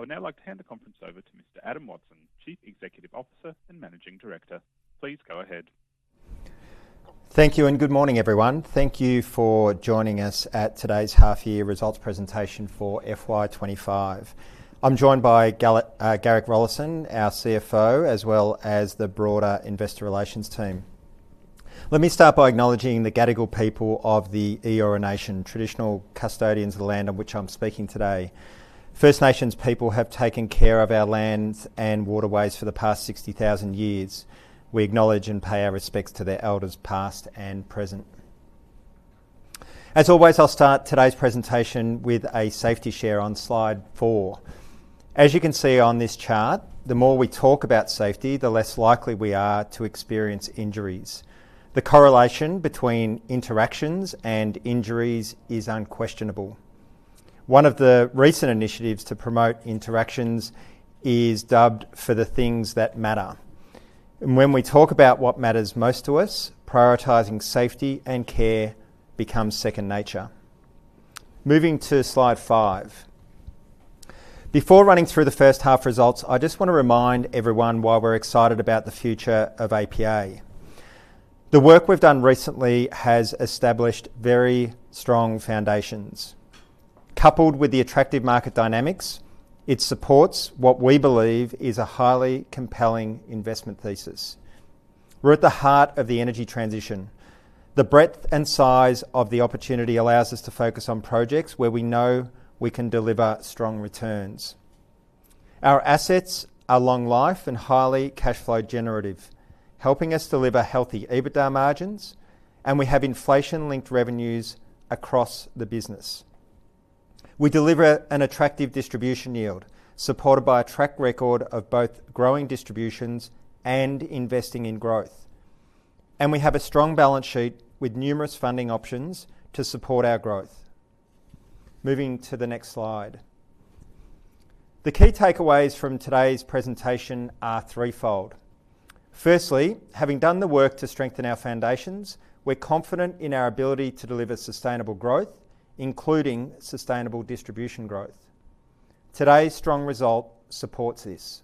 I would now like to hand the conference over to Mr. Adam Watson, Chief Executive Officer and Managing Director. Please go ahead. Thank you and good morning, everyone. Thank you for joining us at today's Half-Year Results Presentation for FY 2025. I'm joined by Garrick Rollason, our CFO, as well as the broader investor relations team. Let me start by acknowledging the Gadigal people of the Eora Nation, traditional custodians of the land on which I'm speaking today. First Nations people have taken care of our lands and waterways for the past 60,000 years. We acknowledge and pay our respects to their elders past and present. As always, I'll start today's presentation with a safety share on slide four. As you can see on this chart, the more we talk about safety, the less likely we are to experience injuries. The correlation between interactions and injuries is unquestionable. One of the recent initiatives to promote interactions is dubbed "For the Things That Matter." When we talk about what matters most to us, prioritizing safety and care becomes second nature. Moving to slide five. Before running through the first half results, I just want to remind everyone why we're excited about the future of APA. The work we've done recently has established very strong foundations. Coupled with the attractive market dynamics, it supports what we believe is a highly compelling investment thesis. We're at the heart of the energy transition. The breadth and size of the opportunity allows us to focus on projects where we know we can deliver strong returns. Our assets are long-life and highly cash-flow generative, helping us deliver healthy EBITDA margins, and we have inflation-linked revenues across the business. We deliver an attractive distribution yield, supported by a track record of both growing distributions and investing in growth. And we have a strong balance sheet with numerous funding options to support our growth. Moving to the next slide. The key takeaways from today's presentation are threefold. Firstly, having done the work to strengthen our foundations, we're confident in our ability to deliver sustainable growth, including sustainable distribution growth. Today's strong result supports this.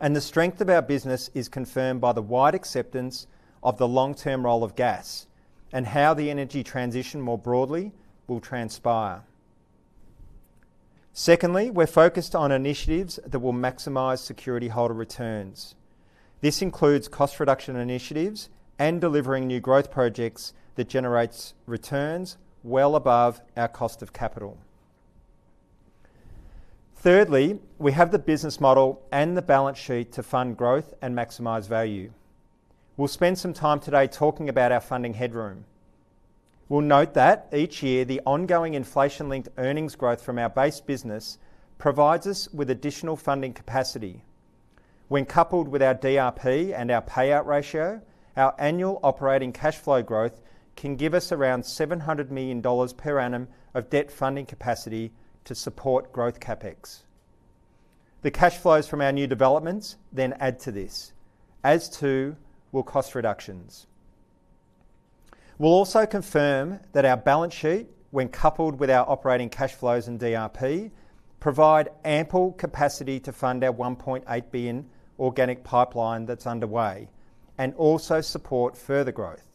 And the strength of our business is confirmed by the wide acceptance of the long-term role of gas and how the energy transition more broadly will transpire. Secondly, we're focused on initiatives that will maximize security holder returns. This includes cost reduction initiatives and delivering new growth projects that generate returns well above our cost of capital. Thirdly, we have the business model and the balance sheet to fund growth and maximize value. We'll spend some time today talking about our funding headroom. We'll note that each year the ongoing inflation-linked earnings growth from our base business provides us with additional funding capacity. When coupled with our DRP and our payout ratio, our annual operating cash flow growth can give us around 700 million dollars per annum of debt funding capacity to support growth CapEx. The cash flows from our new developments then add to this, as too will cost reductions. We'll also confirm that our balance sheet, when coupled with our operating cash flows and DRP, provide ample capacity to fund our 1.8 billion organic pipeline that's underway and also support further growth.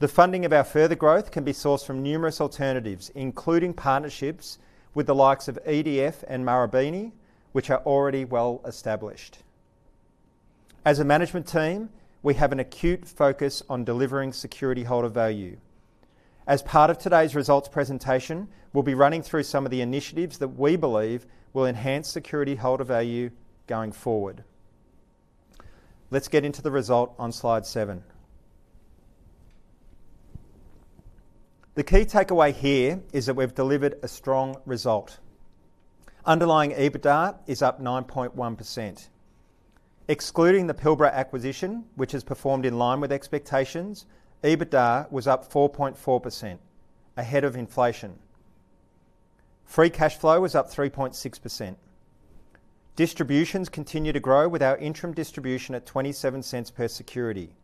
The funding of our further growth can be sourced from numerous alternatives, including partnerships with the likes of EDF and Marubeni, which are already well established. As a management team, we have an acute focus on delivering security holder value. As part of today's results presentation, we'll be running through some of the initiatives that we believe will enhance security holder value going forward. Let's get into the result on slide seven. The key takeaway here is that we've delivered a strong result. Underlying EBITDA is up 9.1%. Excluding the Pilbara acquisition, which is performed in line with expectations, EBITDA was up 4.4%, ahead of inflation. free cash flow was up 3.6%. Distributions continue to grow with our interim distribution at 0.27 per security,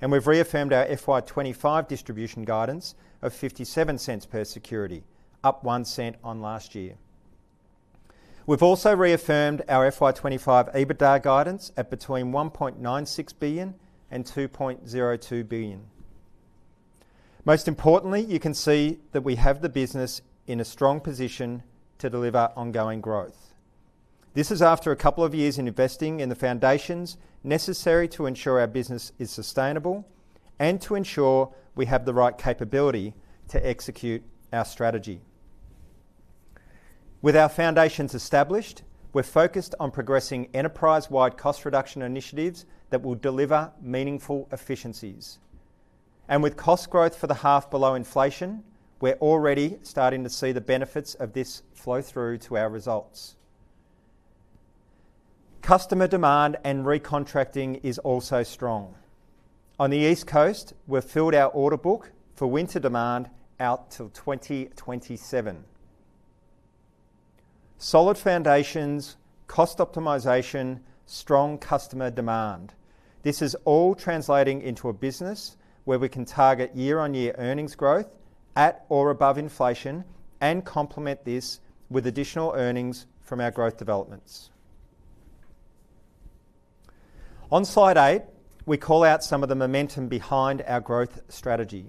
and we've reaffirmed our FY 2025 distribution guidance of 0.57 per security, up 0.01 on last year. We've also reaffirmed our FY 2025 EBITDA guidance at between 1.96 billion and 2.02 billion. Most importantly, you can see that we have the business in a strong position to deliver ongoing growth. This is after a couple of years in investing in the foundations necessary to ensure our business is sustainable and to ensure we have the right capability to execute our strategy. With our foundations established, we're focused on progressing enterprise-wide cost reduction initiatives that will deliver meaningful efficiencies, and with cost growth for the half below inflation, we're already starting to see the benefits of this flow through to our results. Customer demand and recontracting is also strong. On the East Coast, we've filled our order book for winter demand out till 2027. Solid foundations, cost optimization, strong customer demand. This is all translating into a business where we can target year-on-year earnings growth at or above inflation and complement this with additional earnings from our growth developments. On slide eight, we call out some of the momentum behind our growth strategy.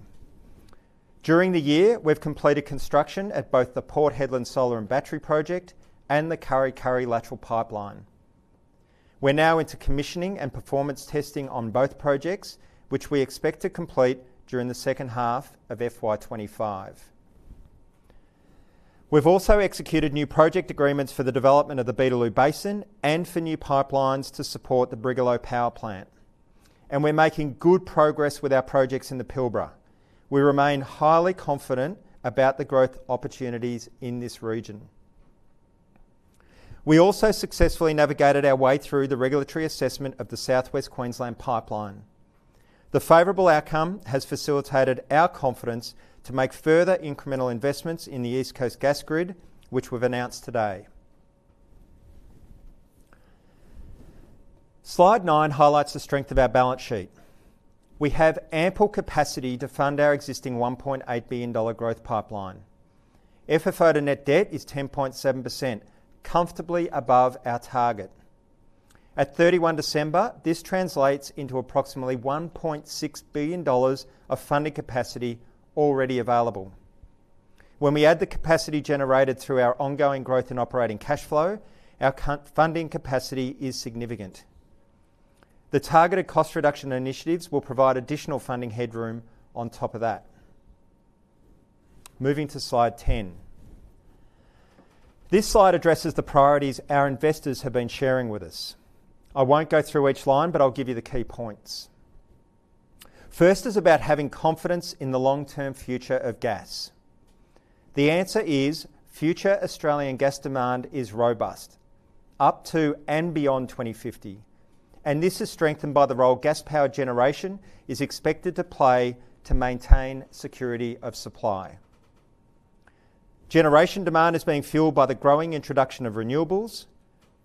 During the year, we've completed construction at both the Port Hedland Solar and Battery Project and the Kurri Kurri Lateral Pipeline. We're now into commissioning and performance testing on both projects, which we expect to complete during the second half of FY 2025. We've also executed new project agreements for the development of the Beetaloo Basin and for new pipelines to support the Brigalow Power Plant. And we're making good progress with our projects in the Pilbara. We remain highly confident about the growth opportunities in this region. We also successfully navigated our way through the regulatory assessment of the South West Queensland Pipeline. The favorable outcome has facilitated our confidence to make further incremental investments in the East Coast gas grid, which we've announced today. Slide nine highlights the strength of our balance sheet. We have ample capacity to fund our existing 1.8 billion dollar growth pipeline. FFO to net debt is 10.7%, comfortably above our target. At 31 December, this translates into approximately 1.6 billion dollars of funding capacity already available. When we add the capacity generated through our ongoing growth and operating cash flow, our funding capacity is significant. The targeted cost reduction initiatives will provide additional funding headroom on top of that. Moving to slide ten. This slide addresses the priorities our investors have been sharing with us. I won't go through each line, but I'll give you the key points. First is about having confidence in the long-term future of gas. The answer is future Australian gas demand is robust, up to and beyond 2050, and this is strengthened by the role gas power generation is expected to play to maintain security of supply. Generation demand is being fueled by the growing introduction of renewables,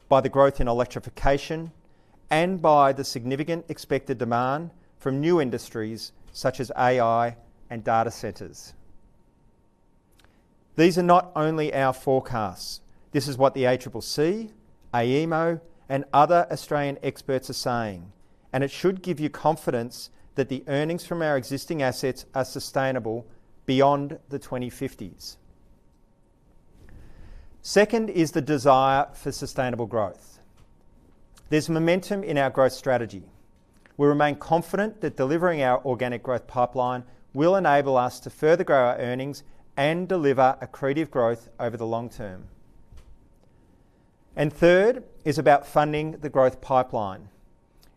by the growth in electrification, and by the significant expected demand from new industries such as AI and data centers. These are not only our forecasts. This is what the ACCC, AEMO, and other Australian experts are saying, and it should give you confidence that the earnings from our existing assets are sustainable beyond the 2050s. Second is the desire for sustainable growth. There's momentum in our growth strategy. We remain confident that delivering our organic growth pipeline will enable us to further grow our earnings and deliver accretive growth over the long term, and third is about funding the growth pipeline.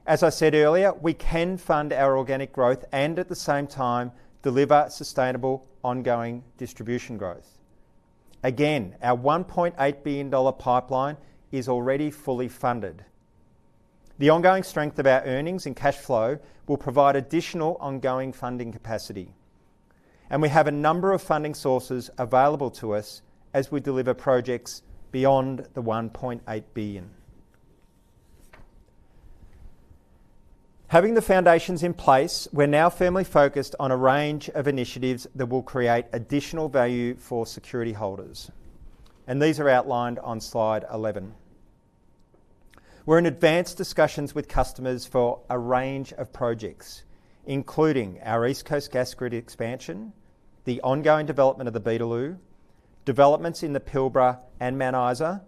As I said earlier, we can fund our organic growth and at the same time deliver sustainable ongoing distribution growth. Again, our 1.8 billion dollar pipeline is already fully funded. The ongoing strength of our earnings and cash flow will provide additional ongoing funding capacity, and we have a number of funding sources available to us as we deliver projects beyond the 1.8 billion. Having the foundations in place, we're now firmly focused on a range of initiatives that will create additional value for security holders, and these are outlined on slide 11. We're in advanced discussions with customers for a range of projects, including our East Coast gas grid expansion, the ongoing development of the Beetaloo, developments in the Pilbara and Mount Isa,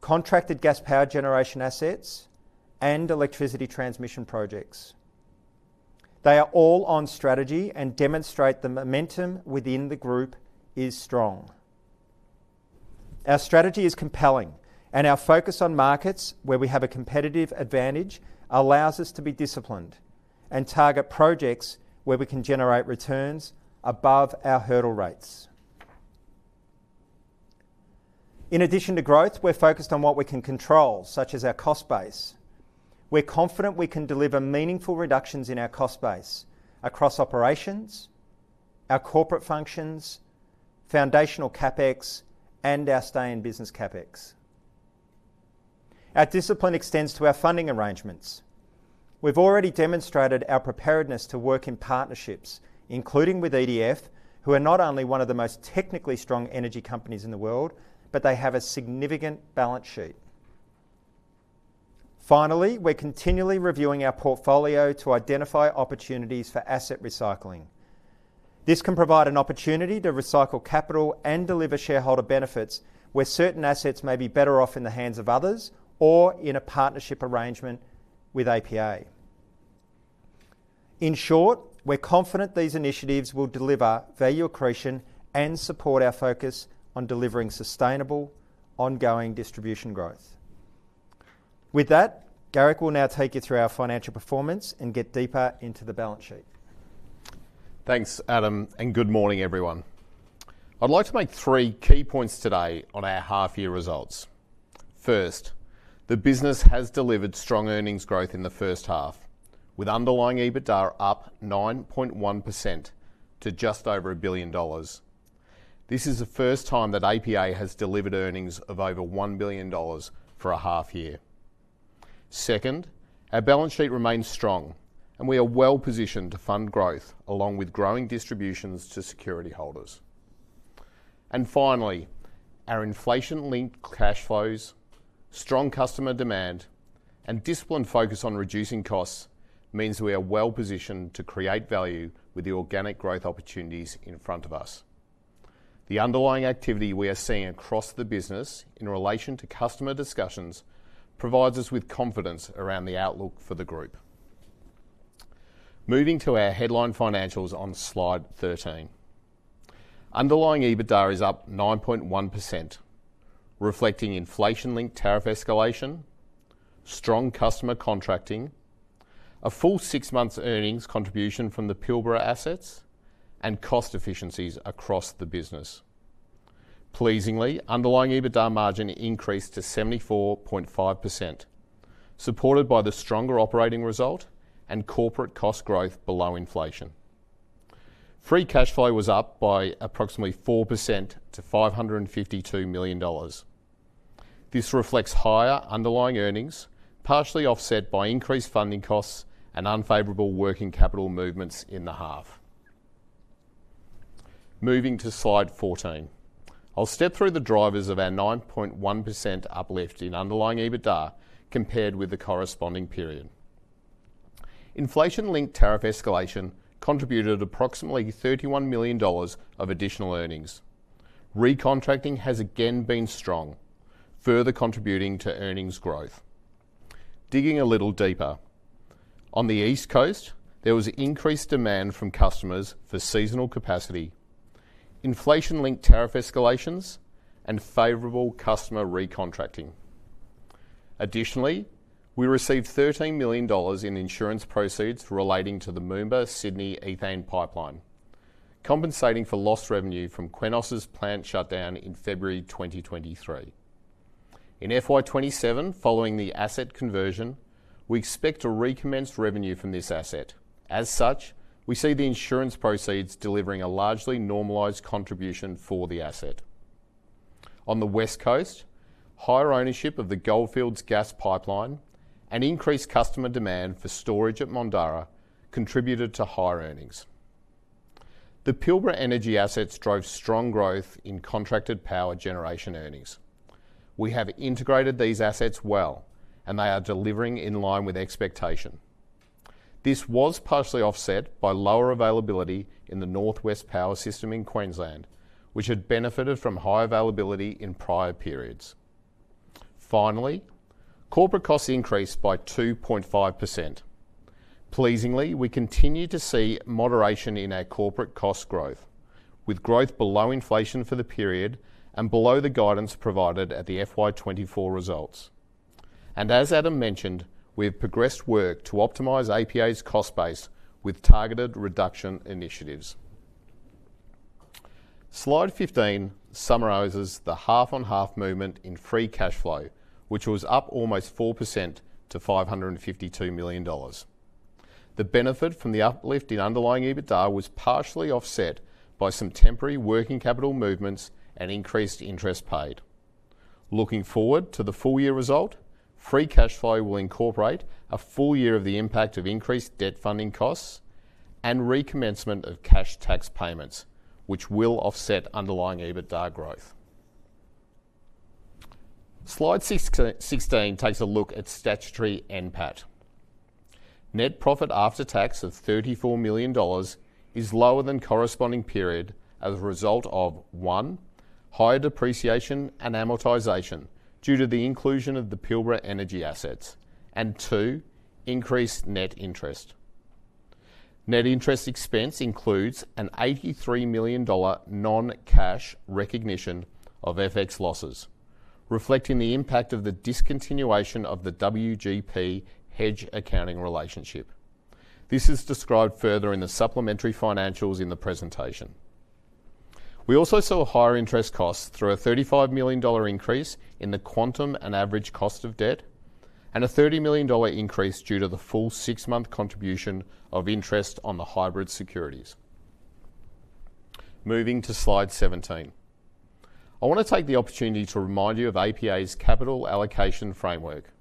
contracted gas power generation assets, and electricity transmission projects. They are all on strategy and demonstrate the momentum within the group is strong. Our strategy is compelling, and our focus on markets where we have a competitive advantage allows us to be disciplined and target projects where we can generate returns above our hurdle rates. In addition to growth, we're focused on what we can control, such as our cost base. We're confident we can deliver meaningful reductions in our cost base across operations, our corporate functions, foundational CapEx, and our stay-in-business CapEx. Our discipline extends to our funding arrangements. We've already demonstrated our preparedness to work in partnerships, including with EDF, who are not only one of the most technically strong energy companies in the world, but they have a significant balance sheet. Finally, we're continually reviewing our portfolio to identify opportunities for asset recycling. This can provide an opportunity to recycle capital and deliver shareholder benefits where certain assets may be better off in the hands of others or in a partnership arrangement with APA. In short, we're confident these initiatives will deliver value accretion and support our focus on delivering sustainable ongoing distribution growth. With that, Garrick will now take you through our financial performance and get deeper into the balance sheet. Thanks, Adam, and good morning, everyone. I'd like to make three key points today on our half-year results. First, the business has delivered strong earnings growth in the first half, with underlying EBITDA up 9.1% to just over 1 billion dollars. This is the first time that APA has delivered earnings of over 1 billion dollars for a half year. Second, our balance sheet remains strong, and we are well positioned to fund growth along with growing distributions to security holders. And finally, our inflation-linked cash flows, strong customer demand, and disciplined focus on reducing costs means we are well positioned to create value with the organic growth opportunities in front of us. The underlying activity we are seeing across the business in relation to customer discussions provides us with confidence around the outlook for the group. Moving to our headline financials on slide 13. Underlying EBITDA is up 9.1%, reflecting inflation-linked tariff escalation, strong customer contracting, a full six-month earnings contribution from the Pilbara assets, and cost efficiencies across the business. Pleasingly, underlying EBITDA margin increased to 74.5%, supported by the stronger operating result and corporate cost growth below inflation. free cash flow was up by approximately 4% to 552 million dollars. This reflects higher underlying earnings, partially offset by increased funding costs and unfavorable working capital movements in the half. Moving to slide 14. I'll step through the drivers of our 9.1% uplift in underlying EBITDA compared with the corresponding period. Inflation-linked tariff escalation contributed approximately 31 million dollars of additional earnings. recontracting has again been strong, further contributing to earnings growth. Digging a little deeper, on the East Coast, there was increased demand from customers for seasonal capacity, inflation-linked tariff escalations, and favorable customer recontracting. Additionally, we received 13 million dollars in insurance proceeds relating to the Moomba Sydney Ethane Pipeline, compensating for lost revenue from Qenos's plant shutdown in February 2023. In FY 2027, following the asset conversion, we expect a recommencement of revenue from this asset. As such, we see the insurance proceeds delivering a largely normalized contribution for the asset. On the West Coast, higher ownership of the Goldfields Gas Pipeline and increased customer demand for storage at Mondarra contributed to higher earnings. The Pilbara energy assets drove strong growth in contracted power generation earnings. We have integrated these assets well, and they are delivering in line with expectation. This was partially offset by lower availability in the North West power system in Queensland, which had benefited from high availability in prior periods. Finally, corporate costs increased by 2.5%. Pleasingly, we continue to see moderation in our corporate cost growth, with growth below inflation for the period and below the guidance provided at the FY 2024 results. And as Adam mentioned, we have progressed work to optimize APA's cost base with targeted reduction initiatives. Slide 15 summarizes the half-on-half movement in free cash flow, which was up almost 4% to 552 million dollars. The benefit from the uplift in underlying EBITDA was partially offset by some temporary working capital movements and increased interest paid. Looking forward to the full-year result, free cash flow will incorporate a full year of the impact of increased debt funding costs and recommencement of cash tax payments, which will offset underlying EBITDA growth. Slide 16 takes a look at statutory NPAT. Net profit after tax of AUD 34 million is lower than corresponding period as a result of, one, higher depreciation and amortization due to the inclusion of the Pilbara energy assets, and two, increased net interest. Net interest expense includes an 83 million dollar non-cash recognition of FX losses, reflecting the impact of the discontinuation of the WGP hedge accounting relationship. This is described further in the supplementary financials in the presentation. We also saw higher interest costs through a 35 million dollar increase in the quantum and average cost of debt, and a 30 million dollar increase due to the full six-month contribution of interest on the hybrid securities. Moving to slide 17. I want to take the opportunity to remind you of APA's capital allocation framework.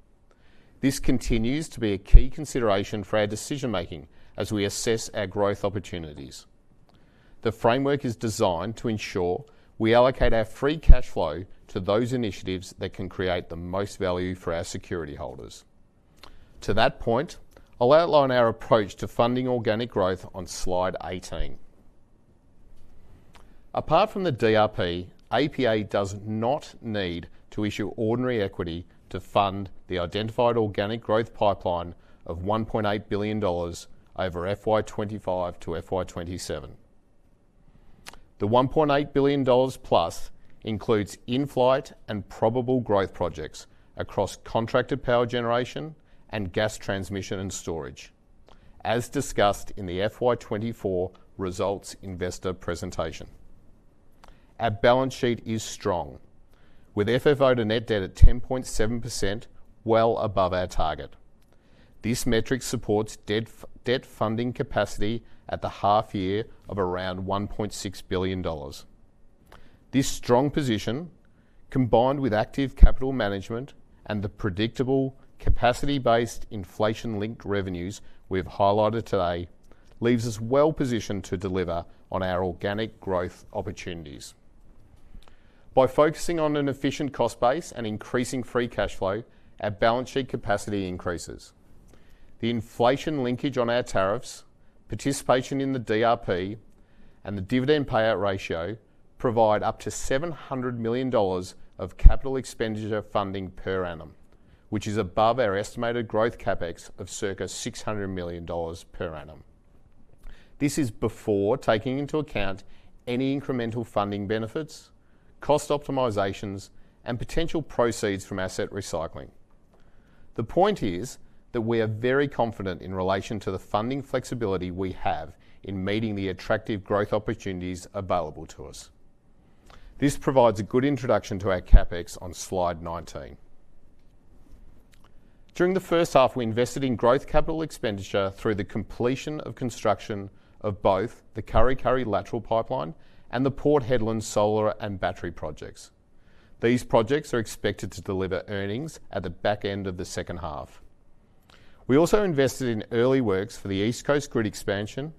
This continues to be a key consideration for our decision-making as we assess our growth opportunities. The framework is designed to ensure we allocate our free cash flow to those initiatives that can create the most value for our security holders. To that point, I'll outline our approach to funding organic growth on slide 18. Apart from the DRP, APA does not need to issue ordinary equity to fund the identified organic growth pipeline of 1.8 billion dollars over FY 2025 to FY 2027. The 1.8 billion dollars plus includes in-flight and probable growth projects across contracted power generation and gas transmission and storage, as discussed in the FY 2024 results investor presentation. Our balance sheet is strong, with FFO to net debt at 10.7%, well above our target. This metric supports debt funding capacity at the half year of around 1.6 billion dollars. This strong position, combined with active capital management and the predictable capacity-based inflation-linked revenues we've highlighted today, leaves us well positioned to deliver on our organic growth opportunities. By focusing on an efficient cost base and increasing free cash flow, our balance sheet capacity increases. The inflation linkage on our tariffs, participation in the DRP, and the dividend payout ratio provide up to 700 million dollars of capital expenditure funding per annum, which is above our estimated growth CapEx of circa 600 million dollars per annum. This is before taking into account any incremental funding benefits, cost optimizations, and potential proceeds from asset recycling. The point is that we are very confident in relation to the funding flexibility we have in meeting the attractive growth opportunities available to us. This provides a good introduction to our CapEx on slide 19. During the first half, we invested in growth capital expenditure through the completion of construction of both the Kurri Kurri Lateral pipeline and the Port Hedland Solar and battery project. These projects are expected to deliver earnings at the back end of the second half. We also invested in early works for the East Coast Grid expansion,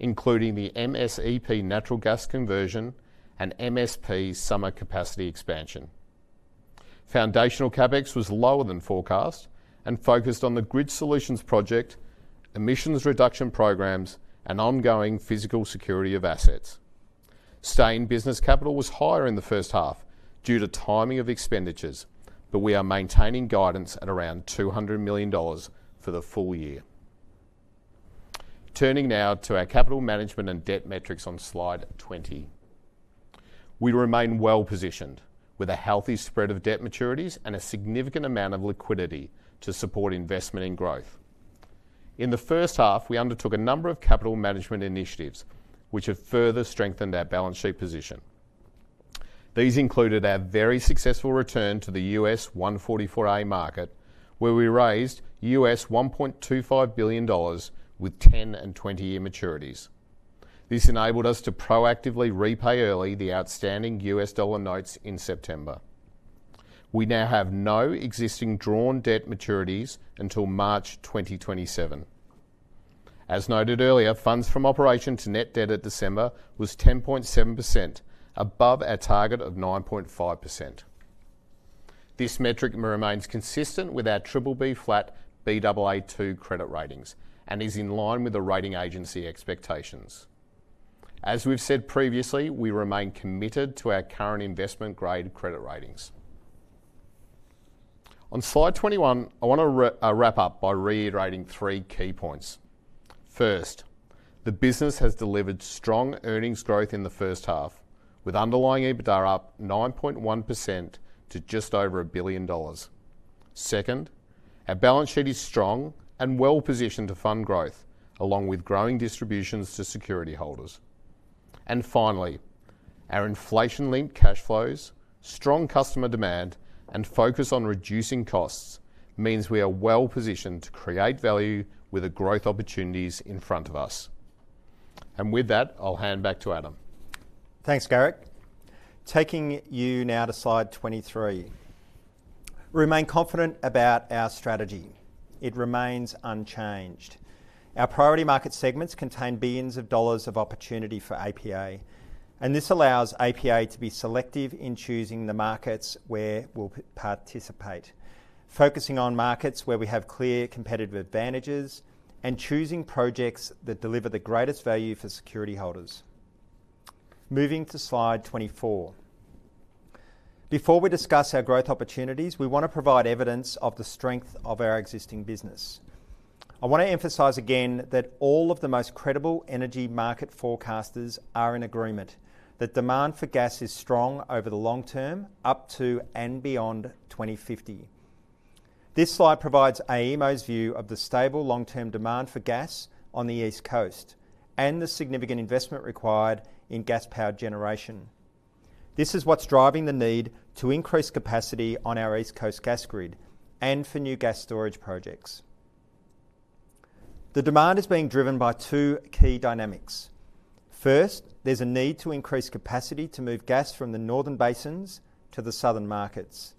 including the MSEP natural gas conversion and MSP summer capacity expansion. Foundational CapEx was lower than forecast and focused on the Grid Solutions project, emissions reduction programs, and ongoing physical security of assets. Stay-in-business capital was higher in the first half due to timing of expenditures, but we are maintaining guidance at around 200 million dollars for the full year. Turning now to our capital management and debt metrics on slide 20. We remain well positioned with a healthy spread of debt maturities and a significant amount of liquidity to support investment in growth. In the first half, we undertook a number of capital management initiatives which have further strengthened our balance sheet position. These included our very successful return to the U.S. 144A market, where we raised $1.25 billion with 10- and 20-year maturities. This enabled us to proactively repay early the outstanding U.S. dollar notes in September. We now have no existing drawn debt maturities until March 2027. As noted earlier, funds from operations to net debt at December was 10.7%, above our target of 9.5%. This metric remains consistent with our BBB flat Baa2 credit ratings and is in line with the rating agency expectations. As we've said previously, we remain committed to our current investment-grade credit ratings. On slide 21, I want to wrap up by reiterating three key points. First, the business has delivered strong earnings growth in the first half, with underlying EBITDA up 9.1% to just over 1 billion dollars. Second, our balance sheet is strong and well positioned to fund growth, along with growing distributions to security holders. And finally, our inflation-linked cash flows, strong customer demand, and focus on reducing costs means we are well positioned to create value with the growth opportunities in front of us. And with that, I'll hand back to Adam. Thanks, Garrick. Taking you now to slide 23. Remain confident about our strategy. It remains unchanged. Our priority market segments contain billions of dollars of opportunity for APA, and this allows APA to be selective in choosing the markets where we'll participate, focusing on markets where we have clear competitive advantages and choosing projects that deliver the greatest value for security holders. Moving to slide 24. Before we discuss our growth opportunities, we want to provide evidence of the strength of our existing business. I want to emphasize again that all of the most credible energy market forecasters are in agreement that demand for gas is strong over the long term, up to and beyond 2050. This slide provides AEMO's view of the stable long-term demand for gas on the East Coast and the significant investment required in gas-powered generation. This is what's driving the need to increase capacity on our East Coast gas grid and for new gas storage projects. The demand is being driven by two key dynamics. First, there's a need to increase capacity to move gas from the northern basins to the southern markets.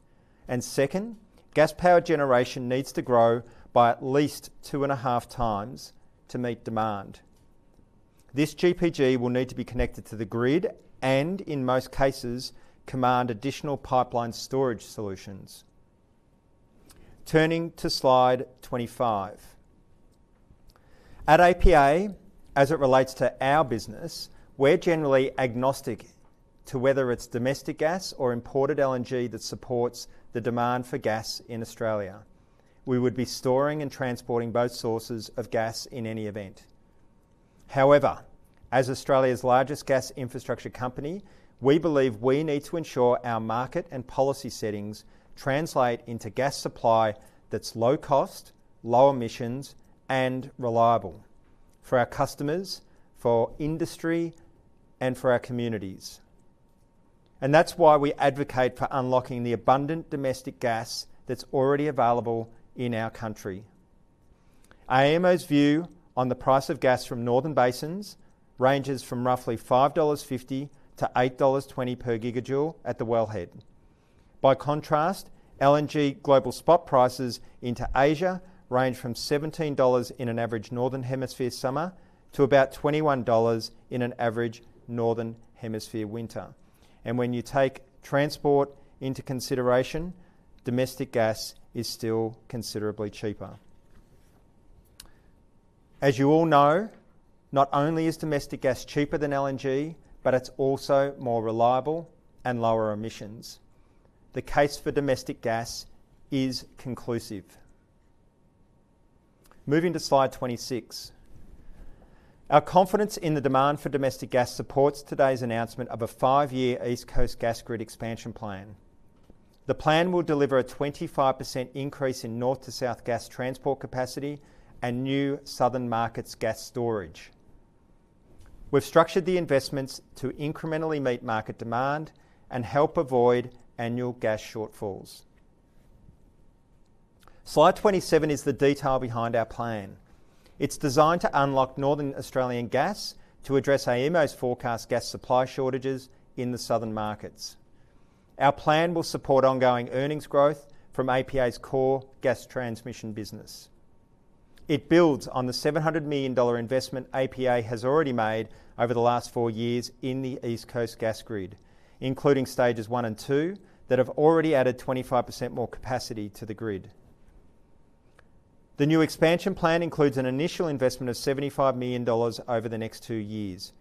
And second, gas-powered generation needs to grow by at least two and a half times to meet demand. This GPG will need to be connected to the grid and, in most cases, command additional pipeline storage solutions. Turning to slide 25. At APA, as it relates to our business, we're generally agnostic to whether it's domestic gas or imported LNG that supports the demand for gas in Australia. We would be storing and transporting both sources of gas in any event. However, as Australia's largest gas infrastructure company, we believe we need to ensure our market and policy settings translate into gas supply that's low cost, low emissions, and reliable for our customers, for industry, and for our communities. And that's why we advocate for unlocking the abundant domestic gas that's already available in our country. AEMO's view on the price of gas from northern basins ranges from roughly 5.50-8.20 dollars per gigajoule at the wellhead. By contrast, LNG global spot prices into Asia range from $17 in an average northern hemisphere summer to about $21 in an average northern hemisphere winter. When you take transport into consideration, domestic gas is still considerably cheaper. As you all know, not only is domestic gas cheaper than LNG, but it's also more reliable and lower emissions. The case for domestic gas is conclusive. Moving to slide 26. Our confidence in the demand for domestic gas supports today's announcement of a five-year East Coast gas grid expansion plan. The plan will deliver a 25% increase in north-to-south gas transport capacity and new southern markets gas storage. We've structured the investments to incrementally meet market demand and help avoid annual gas shortfalls. Slide 27 is the detail behind our plan. It's designed to unlock northern Australian gas to address AEMO's forecast gas supply shortages in the southern markets. Our plan will support ongoing earnings growth from APA's core gas transmission business. It builds on the 700 million dollar investment APA has already made over the last four years in the East Coast gas grid, including stages one and two that have already added 25% more capacity to the grid. The new expansion plan includes an initial investment of 75 million dollars over the next two years.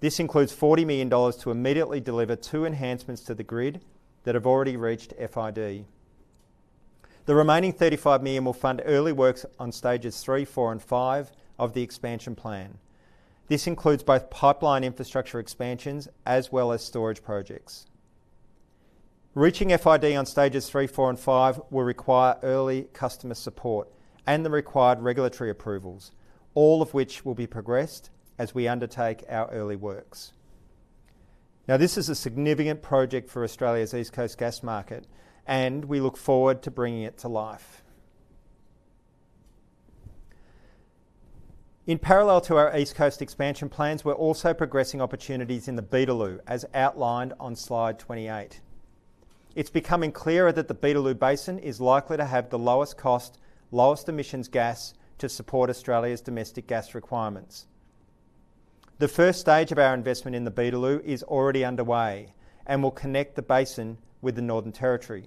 This includes 40 million dollars to immediately deliver two enhancements to the grid that have already reached FID. The remaining 35 million will fund early works on stages three, four, and five of the expansion plan. This includes both pipeline infrastructure expansions as well as storage projects. Reaching FID on stages three, four, and five will require early customer support and the required regulatory approvals, all of which will be progressed as we undertake our early works. Now, this is a significant project for Australia's East Coast gas market, and we look forward to bringing it to life. In parallel to our East Coast expansion plans, we're also progressing opportunities in the Beetaloo, as outlined on slide 28. It's becoming clearer that the Beetaloo Basin is likely to have the lowest cost, lowest emissions gas to support Australia's domestic gas requirements. The first stage of our investment in the Beetaloo is already underway and will connect the basin with the Northern Territory.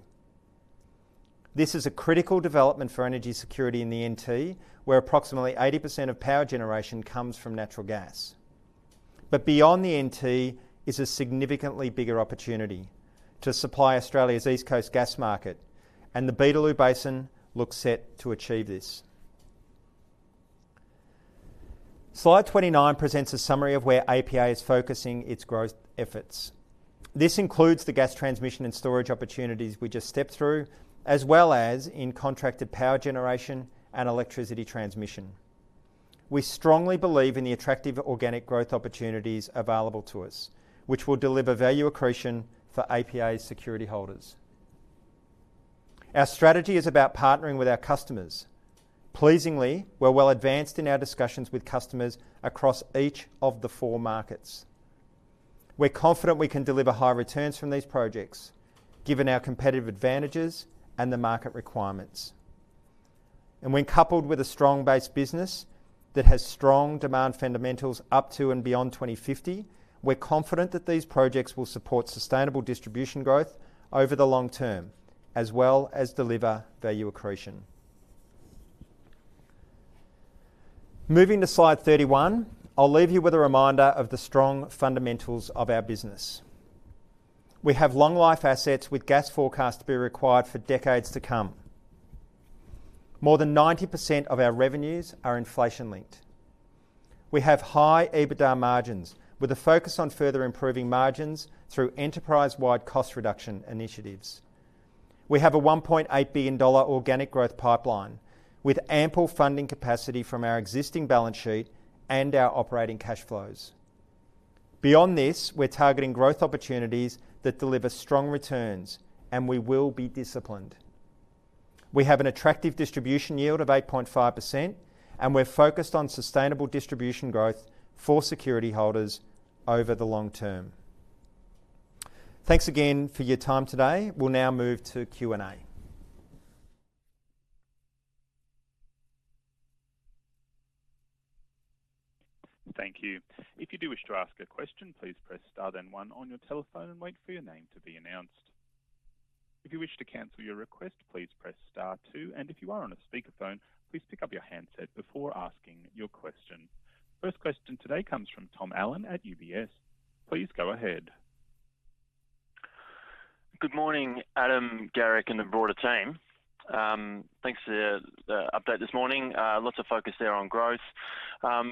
This is a critical development for energy security in the NT, where approximately 80% of power generation comes from natural gas. But beyond the NT is a significantly bigger opportunity to supply Australia's East Coast gas market, and the Beetaloo Basin looks set to achieve this. Slide 29 presents a summary of where APA is focusing its growth efforts. This includes the gas transmission and storage opportunities we just stepped through, as well as in contracted power generation and electricity transmission. We strongly believe in the attractive organic growth opportunities available to us, which will deliver value accretion for APA's security holders. Our strategy is about partnering with our customers. Pleasingly, we're well advanced in our discussions with customers across each of the four markets. We're confident we can deliver high returns from these projects, given our competitive advantages and the market requirements. And when coupled with a strong-based business that has strong demand fundamentals up to and beyond 2050, we're confident that these projects will support sustainable distribution growth over the long term, as well as deliver value accretion. Moving to slide 31, I'll leave you with a reminder of the strong fundamentals of our business. We have long-life assets with gas forecasts to be required for decades to come. More than 90% of our revenues are inflation-linked. We have high EBITDA margins with a focus on further improving margins through enterprise-wide cost reduction initiatives. We have a 1.8 billion dollar organic growth pipeline with ample funding capacity from our existing balance sheet and our operating cash flows. Beyond this, we're targeting growth opportunities that deliver strong returns, and we will be disciplined. We have an attractive distribution yield of 8.5%, and we're focused on sustainable distribution growth for security holders over the long term. Thanks again for your time today. We'll now move to Q&A. Thank you. If you do wish to ask a question, please press Star then one on your telephone and wait for your name to be announced. If you wish to cancel your request, please press Star two. And if you are on a speakerphone, please pick up your handset before asking your question. First question today comes from Tom Allen at UBS. Please go ahead. Good morning, Adam, Garrick, and the broader team. Thanks for the update this morning. Lots of focus there on growth.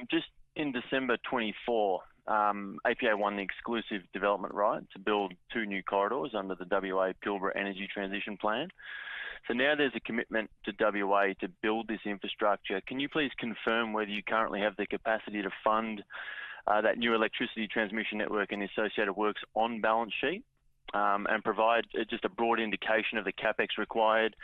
Just in December 2024, APA won the exclusive development right to build two new corridors under the WA Pilbara Energy Transition Plan. So now there's a commitment to WA to build this infrastructure. Can you please confirm whether you currently have the capacity to fund that new electricity transmission network and the associated works on balance sheet and provide just a broad indication of the CapEx required?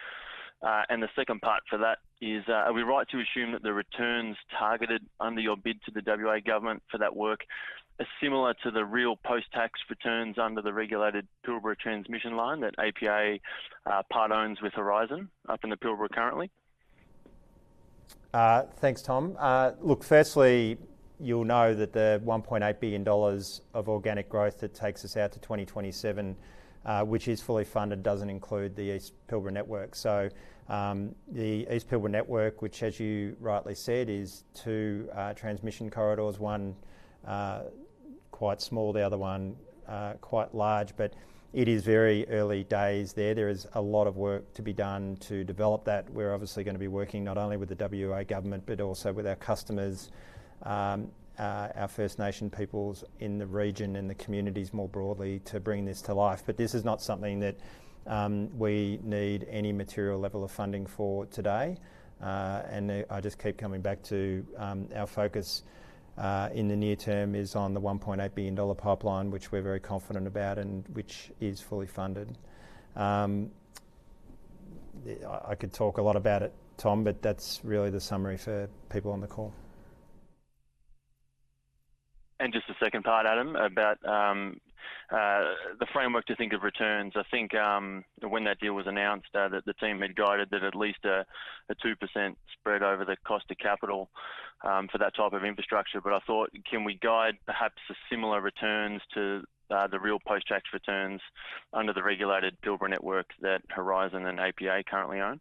And the second part for that is, are we right to assume that the returns targeted under your bid to the WA government for that work are similar to the real post-tax returns under the regulated Pilbara transmission line that APA part owns with Horizon up in the Pilbara currently? Thanks, Tom. Look, firstly, you'll know that the 1.8 billion dollars of organic growth that takes us out to 2027, which is fully funded, doesn't include the East Pilbara Network. So the East Pilbara Network, which, as you rightly said, is two transmission corridors, one quite small, the other one quite large, but it is very early days there. There is a lot of work to be done to develop that. We're obviously going to be working not only with the WA government, but also with our customers, our First Nation peoples in the region, in the communities more broadly, to bring this to life. But this is not something that we need any material level of funding for today. And I just keep coming back to our focus in the near term is on the 1.8 billion dollar pipeline, which we're very confident about and which is fully funded. I could talk a lot about it, Tom, but that's really the summary for people on the call, and just the second part, Adam, about the framework to think of returns. I think when that deal was announced, the team had guided that at least a 2% spread over the cost of capital for that type of infrastructure, but I thought, can we guide perhaps similar returns to the real post-tax returns under the regulated Pilbara network that Horizon and APA currently own?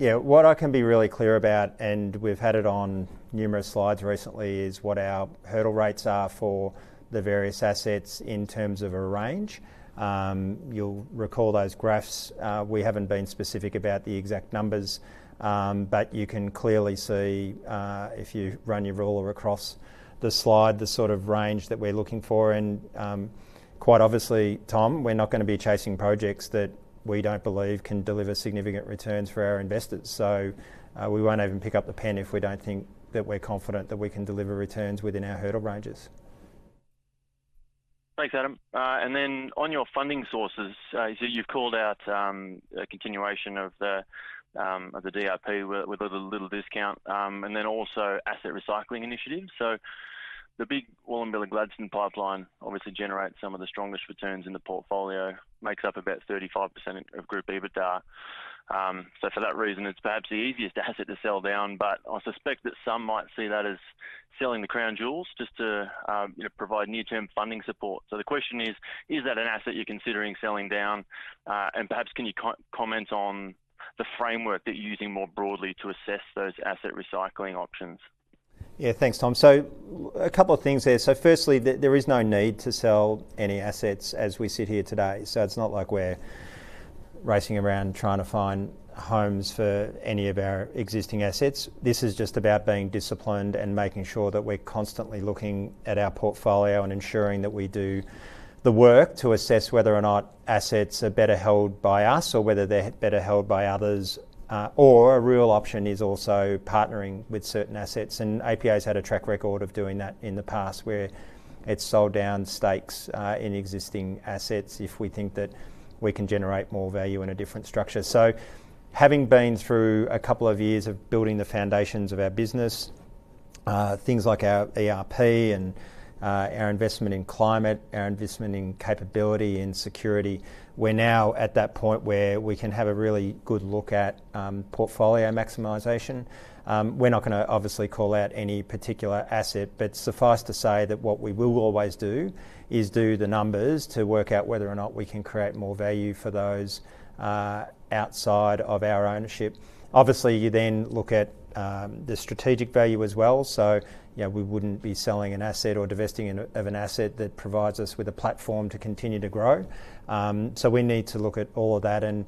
Yeah, what I can be really clear about, and we've had it on numerous slides recently, is what our hurdle rates are for the various assets in terms of a range. You'll recall those graphs. We haven't been specific about the exact numbers, but you can clearly see if you run your ruler across the slide, the sort of range that we're looking for. Quite obviously, Tom, we're not going to be chasing projects that we don't believe can deliver significant returns for our investors. We won't even pick up the pen if we don't think that we're confident that we can deliver returns within our hurdle ranges. Thanks, Adam. Then on your funding sources, you've called out a continuation of the DRP with a little discount and then also asset recycling initiatives. The big Wallumbilla Gladstone Pipeline obviously generates some of the strongest returns in the portfolio, makes up about 35% of Group EBITDA. For that reason, it's perhaps the easiest asset to sell down, but I suspect that some might see that as selling the crown jewels just to provide near-term funding support. The question is, is that an asset you're considering selling down? Perhaps can you comment on the framework that you're using more broadly to assess those asset recycling options? Yeah, thanks, Tom. A couple of things there. Firstly, there is no need to sell any assets as we sit here today. It's not like we're racing around trying to find homes for any of our existing assets. This is just about being disciplined and making sure that we're constantly looking at our portfolio and ensuring that we do the work to assess whether or not assets are better held by us or whether they're better held by others. A real option is also partnering with certain assets. APA has had a track record of doing that in the past where it's sold down stakes in existing assets if we think that we can generate more value in a different structure. So having been through a couple of years of building the foundations of our business, things like our ERP and our investment in climate, our investment in capability and security, we're now at that point where we can have a really good look at portfolio maximization. We're not going to obviously call out any particular asset, but suffice to say that what we will always do is do the numbers to work out whether or not we can create more value for those outside of our ownership. Obviously, you then look at the strategic value as well. So we wouldn't be selling an asset or divesting of an asset that provides us with a platform to continue to grow. So we need to look at all of that. And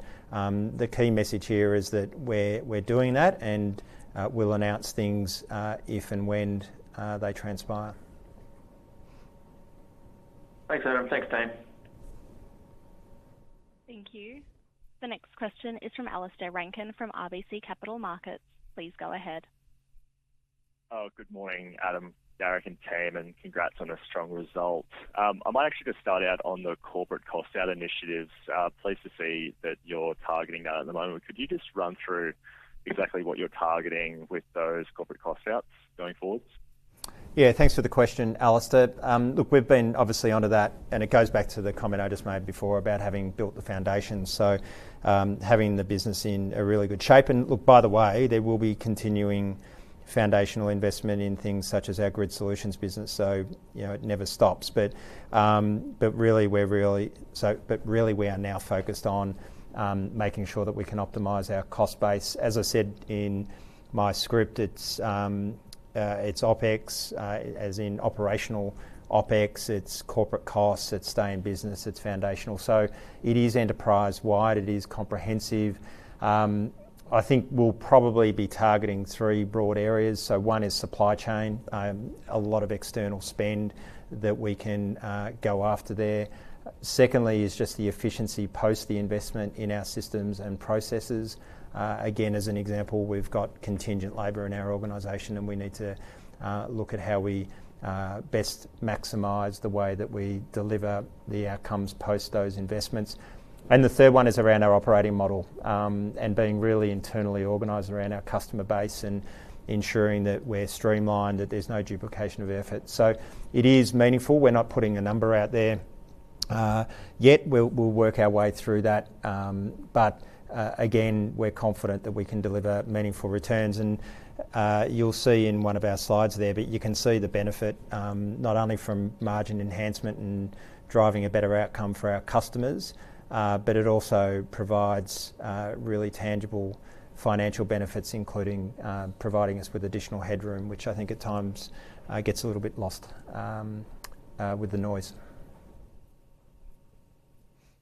the key message here is that we're doing that and we'll announce things if and when they transpire. Thanks, Adam. Thanks, Garrick Thank you. The next question is from Alistair Rankin from RBC Capital Markets. Please go ahead. Oh, good morning, Adam, Garrick, and team. And congrats on a strong result. I might actually just start out on the corporate cost out initiatives. Pleased to see that you're targeting that at the moment. Could you just run through exactly what you're targeting with those corporate cost outs going forwards? Yeah, thanks for the question, Alistair. Look, we've been obviously onto that, and it goes back to the comment I just made before about having built the foundation. So having the business in a really good shape. And look, by the way, there will be continuing foundational investment in things such as our grid solutions business. So it never stops. But really, we are now focused on making sure that we can optimize our cost base. As I said in my script, it's OpEx, as in operational OpEx. It's corporate costs. It's staying business. It's foundational. So it is enterprise-wide. It is comprehensive. I think we'll probably be targeting three broad areas. So one is supply chain, a lot of external spend that we can go after there. Secondly is just the efficiency post the investment in our systems and processes. Again, as an example, we've got contingent labor in our organization, and we need to look at how we best maximize the way that we deliver the outcomes post those investments. And the third one is around our operating model and being really internally organized around our customer base and ensuring that we're streamlined, that there's no duplication of effort. So it is meaningful. We're not putting a number out there yet. We'll work our way through that. But again, we're confident that we can deliver meaningful returns. And you'll see in one of our slides there, but you can see the benefit not only from margin enhancement and driving a better outcome for our customers, but it also provides really tangible financial benefits, including providing us with additional headroom, which I think at times gets a little bit lost with the noise.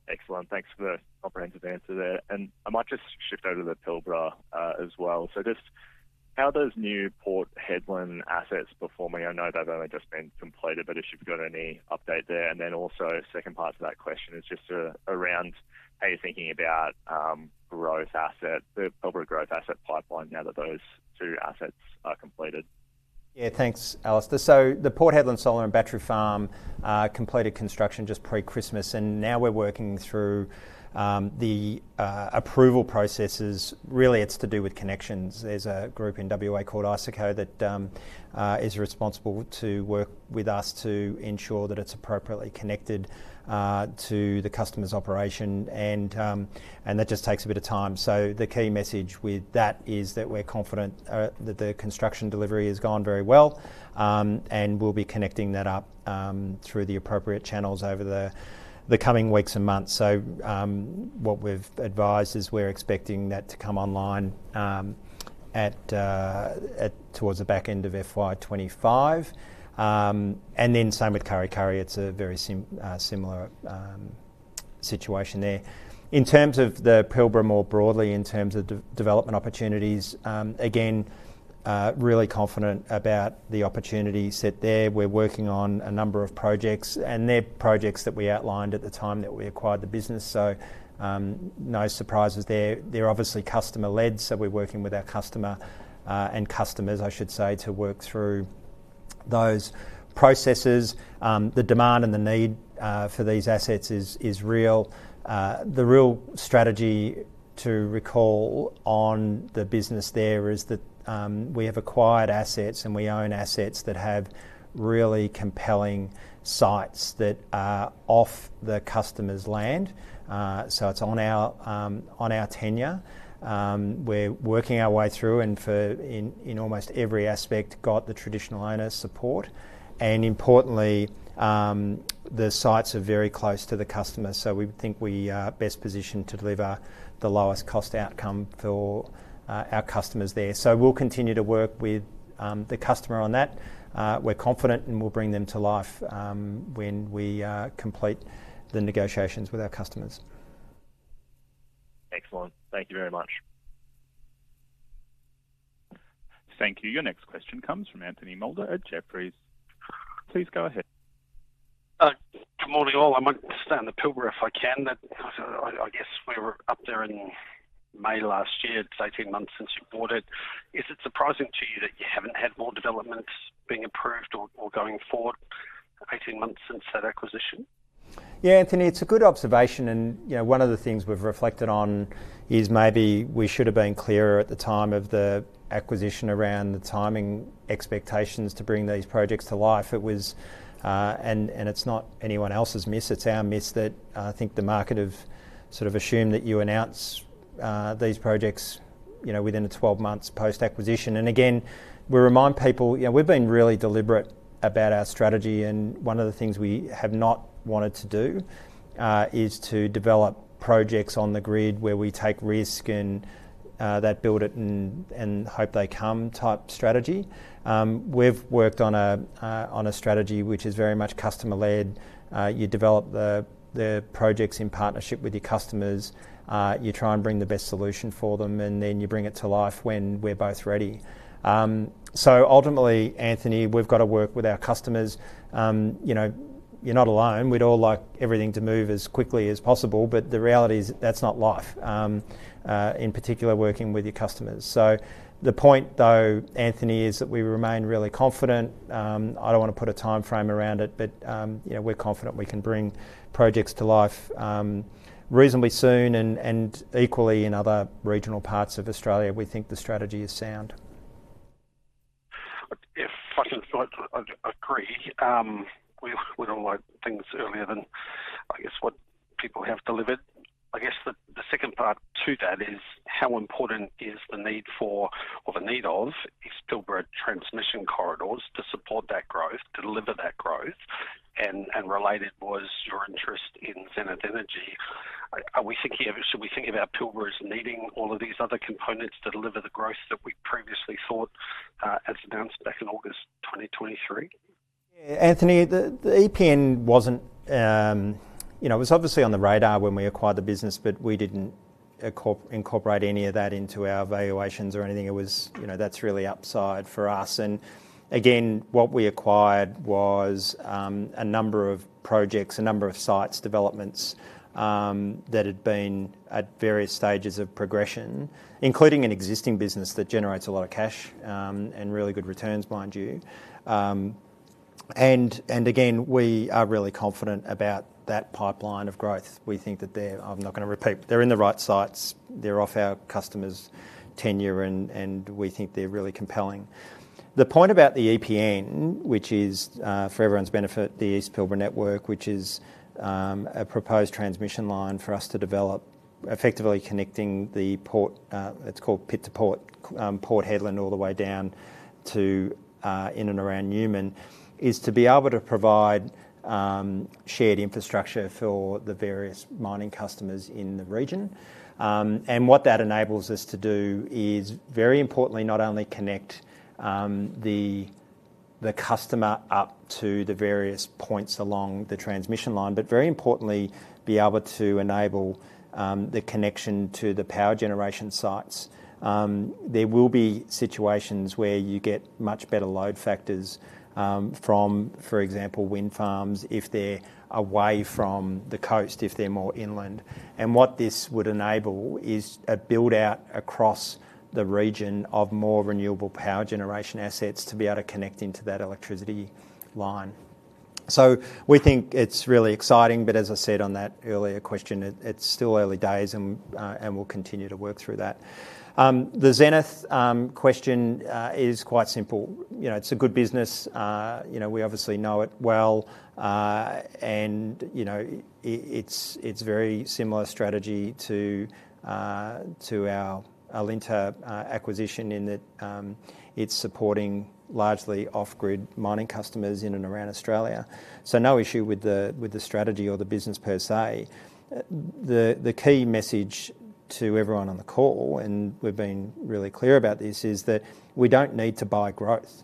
Excellent. Thanks for the comprehensive answer there. And I might just shift over to the Pilbara as well. So just how does new Port Hedland assets perform? I know they've only just been completed, but if you've got any update there. And then also second part to that question is just around how you're thinking about growth asset, the Pilbara growth asset pipeline now that those two assets are completed. Yeah, thanks, Alistair. So the Port Hedland Solar and Battery Project completed construction just pre-Christmas, and now we're working through the approval processes. Really, it's to do with connections. There's a group in WA called Pilbara ISOCo that is responsible to work with us to ensure that it's appropriately connected to the customer's operation, and that just takes a bit of time. So the key message with that is that we're confident that the construction delivery has gone very well and we'll be connecting that up through the appropriate channels over the coming weeks and months. So what we've advised is we're expecting that to come online towards the back end of FY 2025. And then same with Kurri Kurri, it's a very similar situation there. In terms of the Pilbara more broadly, in terms of development opportunities, again, really confident about the opportunity set there. We're working on a number of projects, and they're projects that we outlined at the time that we acquired the business, so no surprises there. They're obviously customer-led, so we're working with our customer and customers, I should say, to work through those processes. The demand and the need for these assets is real. The real strategy, to recall, on the business there is that we have acquired assets and we own assets that have really compelling sites that are off the customer's land, so it's on our tenure. We're working our way through and for in almost every aspect got the traditional owner support, and importantly, the sites are very close to the customer, so we think we are best positioned to deliver the lowest cost outcome for our customers there, so we'll continue to work with the customer on that. We're confident and we'll bring them to life when we complete the negotiations with our customers. Excellent. Thank you very much. Thank you. Your next question comes from Anthony Mulder at Jefferies. Please go ahead. Good morning all. I might stay on the Pilbara if I can. I guess we were up there in May last year; it's 18 months since you bought it. Is it surprising to you that you haven't had more developments being approved or going forward 18 months since that acquisition? Yeah, Anthony, it's a good observation. And one of the things we've reflected on is maybe we should have been clearer at the time of the acquisition around the timing expectations to bring these projects to life. And it's not anyone else's miss. It's our miss that I think the market have sort of assumed that you announce these projects within a 12-month post-acquisition. Again, we remind people we've been really deliberate about our strategy. One of the things we have not wanted to do is to develop projects on the grid where we take risk and that build it and hope they come type strategy. We've worked on a strategy which is very much customer-led. You develop the projects in partnership with your customers. You try and bring the best solution for them, and then you bring it to life when we're both ready. Ultimately, Anthony, we've got to work with our customers. You're not alone. We'd all like everything to move as quickly as possible, but the reality is that's not life, in particular working with your customers. The point, though, Anthony, is that we remain really confident. I don't want to put a time frame around it, but we're confident we can bring projects to life reasonably soon and equally in other regional parts of Australia. We think the strategy is sound. If I can agree, we all like things earlier than I guess what people have delivered. I guess the second part to that is how important is the need for, or the need of, these Pilbara transmission corridors to support that growth, to deliver that growth. And related was your interest in Zenith Energy. Are we thinking of, should we think about Pilbara as needing all of these other components to deliver the growth that we previously thought as announced back in August 2023? Anthony, the EPN wasn't it was obviously on the radar when we acquired the business, but we didn't incorporate any of that into our valuations or anything. It was. That's really upside for us. And again, what we acquired was a number of projects, a number of sites developments that had been at various stages of progression, including an existing business that generates a lot of cash and really good returns, mind you. And again, we are really confident about that pipeline of growth. We think that they're. I'm not going to repeat. They're in the right sites. They're off our customer's tenure, and we think they're really compelling. The point about the EPN, which is for everyone's benefit, the East Pilbara Network, which is a proposed transmission line for us to develop, effectively connecting the port. It's called Pit to Port, Port Hedland all the way down to in and around Newman, is to be able to provide shared infrastructure for the various mining customers in the region. And what that enables us to do is, very importantly, not only connect the customer up to the various points along the transmission line, but very importantly, be able to enable the connection to the power generation sites. There will be situations where you get much better load factors from, for example, wind farms if they're away from the coast, if they're more inland. And what this would enable is a build-out across the region of more renewable power generation assets to be able to connect into that electricity line. So we think it's really exciting. But as I said on that earlier question, it's still early days, and we'll continue to work through that. The Zenith question is quite simple. It's a good business. We obviously know it well. It's a very similar strategy to our Alinta acquisition in that it's supporting largely off-grid mining customers in and around Australia. So no issue with the strategy or the business per se. The key message to everyone on the call, and we've been really clear about this, is that we don't need to buy growth.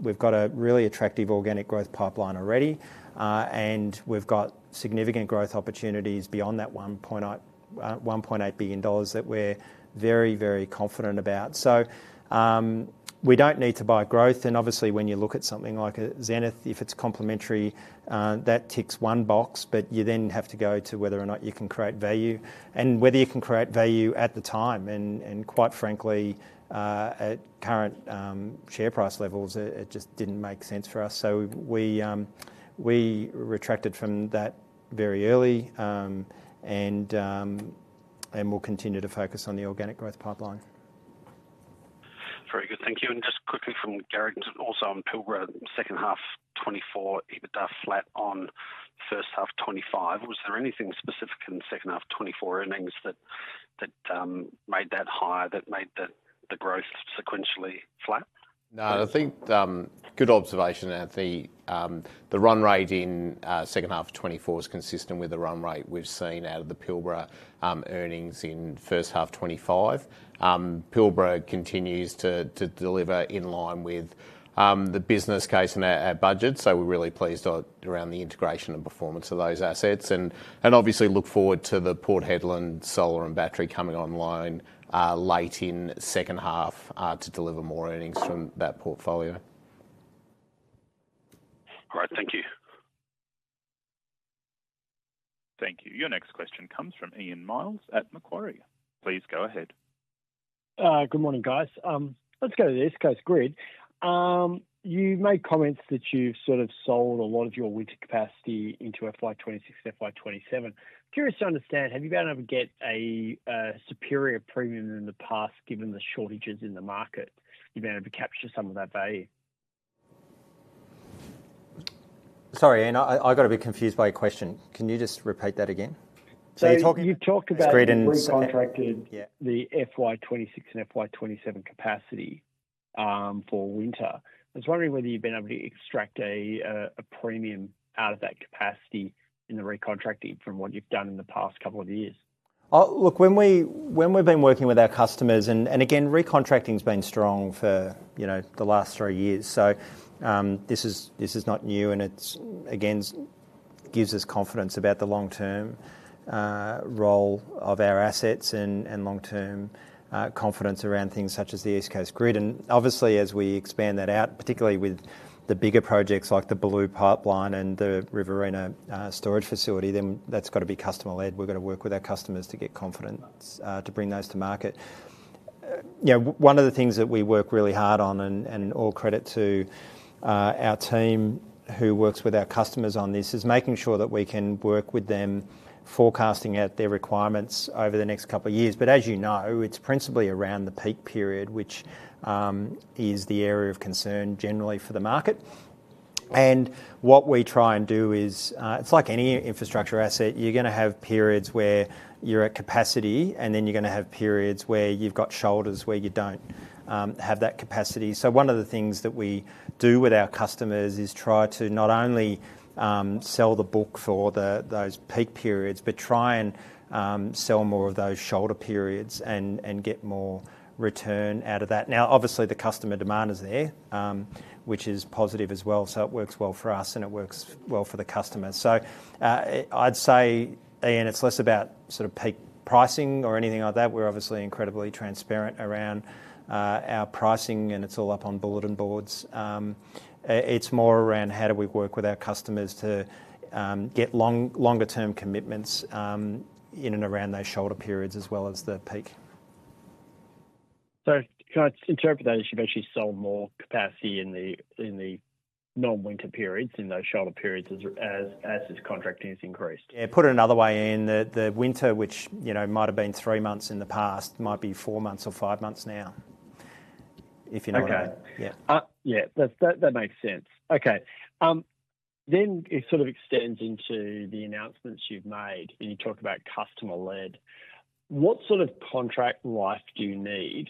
We've got a really attractive organic growth pipeline already, and we've got significant growth opportunities beyond that 1.8 billion dollars that we're very, very confident about. So we don't need to buy growth. And obviously, when you look at something like a Zenith, if it's complementary, that ticks one box, but you then have to go to whether or not you can create value and whether you can create value at the time. And quite frankly, at current share price levels, it just didn't make sense for us. So we retracted from that very early, and we'll continue to focus on the organic growth pipeline. Very good. Thank you. And just quickly from Garrick, also on Pilbara, second half 2024, EBITDA flat on first half 2025. Was there anything specific in second half 2024 earnings that made that higher, that made the growth sequentially flat? No. I think good observation. The run rate in second half 2024 is consistent with the run rate we've seen out of the Pilbara earnings in first half 2025. Pilbara continues to deliver in line with the business case and our budget. So we're really pleased around the integration and performance of those assets. And obviously, look forward to the Port Hedland Solar and Battery coming online late in second half to deliver more earnings from that portfolio. All right. Thank you. Thank you. Your next question comes from Ian Myles at Macquarie. Please go ahead. Good morning, guys. Let's go to the East Coast Grid. You made comments that you've sort of sold a lot of your winter capacity into FY 2026, FY 2027. Curious to understand, have you been able to get a superior premium in the past given the shortages in the market? You've been able to capture some of that value? Sorry, Ian, I got a bit confused by your question. Can you just repeat that again? So you're talking about Grid and pre-contracted the FY 2026 and FY 2027 capacity for winter. I was wondering whether you've been able to extract a premium out of that capacity in the recontracting from what you've done in the past couple of years. Look, when we've been working with our customers, and again, recontracting has been strong for the last three years. This is not new, and it again gives us confidence about the long-term role of our assets and long-term confidence around things such as the East Coast Grid. Obviously, as we expand that out, particularly with the bigger projects like the Beetaloo Pipeline and the Riverina storage facility, then that's got to be customer-led. We've got to work with our customers to get confidence to bring those to market. One of the things that we work really hard on, and all credit to our team who works with our customers on this, is making sure that we can work with them forecasting out their requirements over the next couple of years. As you know, it's principally around the peak period, which is the area of concern generally for the market. What we try and do is, it's like any infrastructure asset, you're going to have periods where you're at capacity, and then you're going to have periods where you've got shoulders where you don't have that capacity. So one of the things that we do with our customers is try to not only sell the book for those peak periods, but try and sell more of those shoulder periods and get more return out of that. Now, obviously, the customer demand is there, which is positive as well. So it works well for us, and it works well for the customers. So I'd say, Ian, it's less about sort of peak pricing or anything like that. We're obviously incredibly transparent around our pricing, and it's all up on bulletin boards. It's more around how do we work with our customers to get longer-term commitments in and around those shoulder periods as well as the peak. So can I interpret that as you've actually sold more capacity in the non-winter periods in those shoulder periods as this contracting has increased? Yeah, put it another way, Ian, that the winter, which might have been three months in the past, might be four months or five months now, if you know what I mean. Okay. Yeah. That makes sense. Okay. Then it sort of extends into the announcements you've made, and you talk about customer-led. What sort of contract life do you need?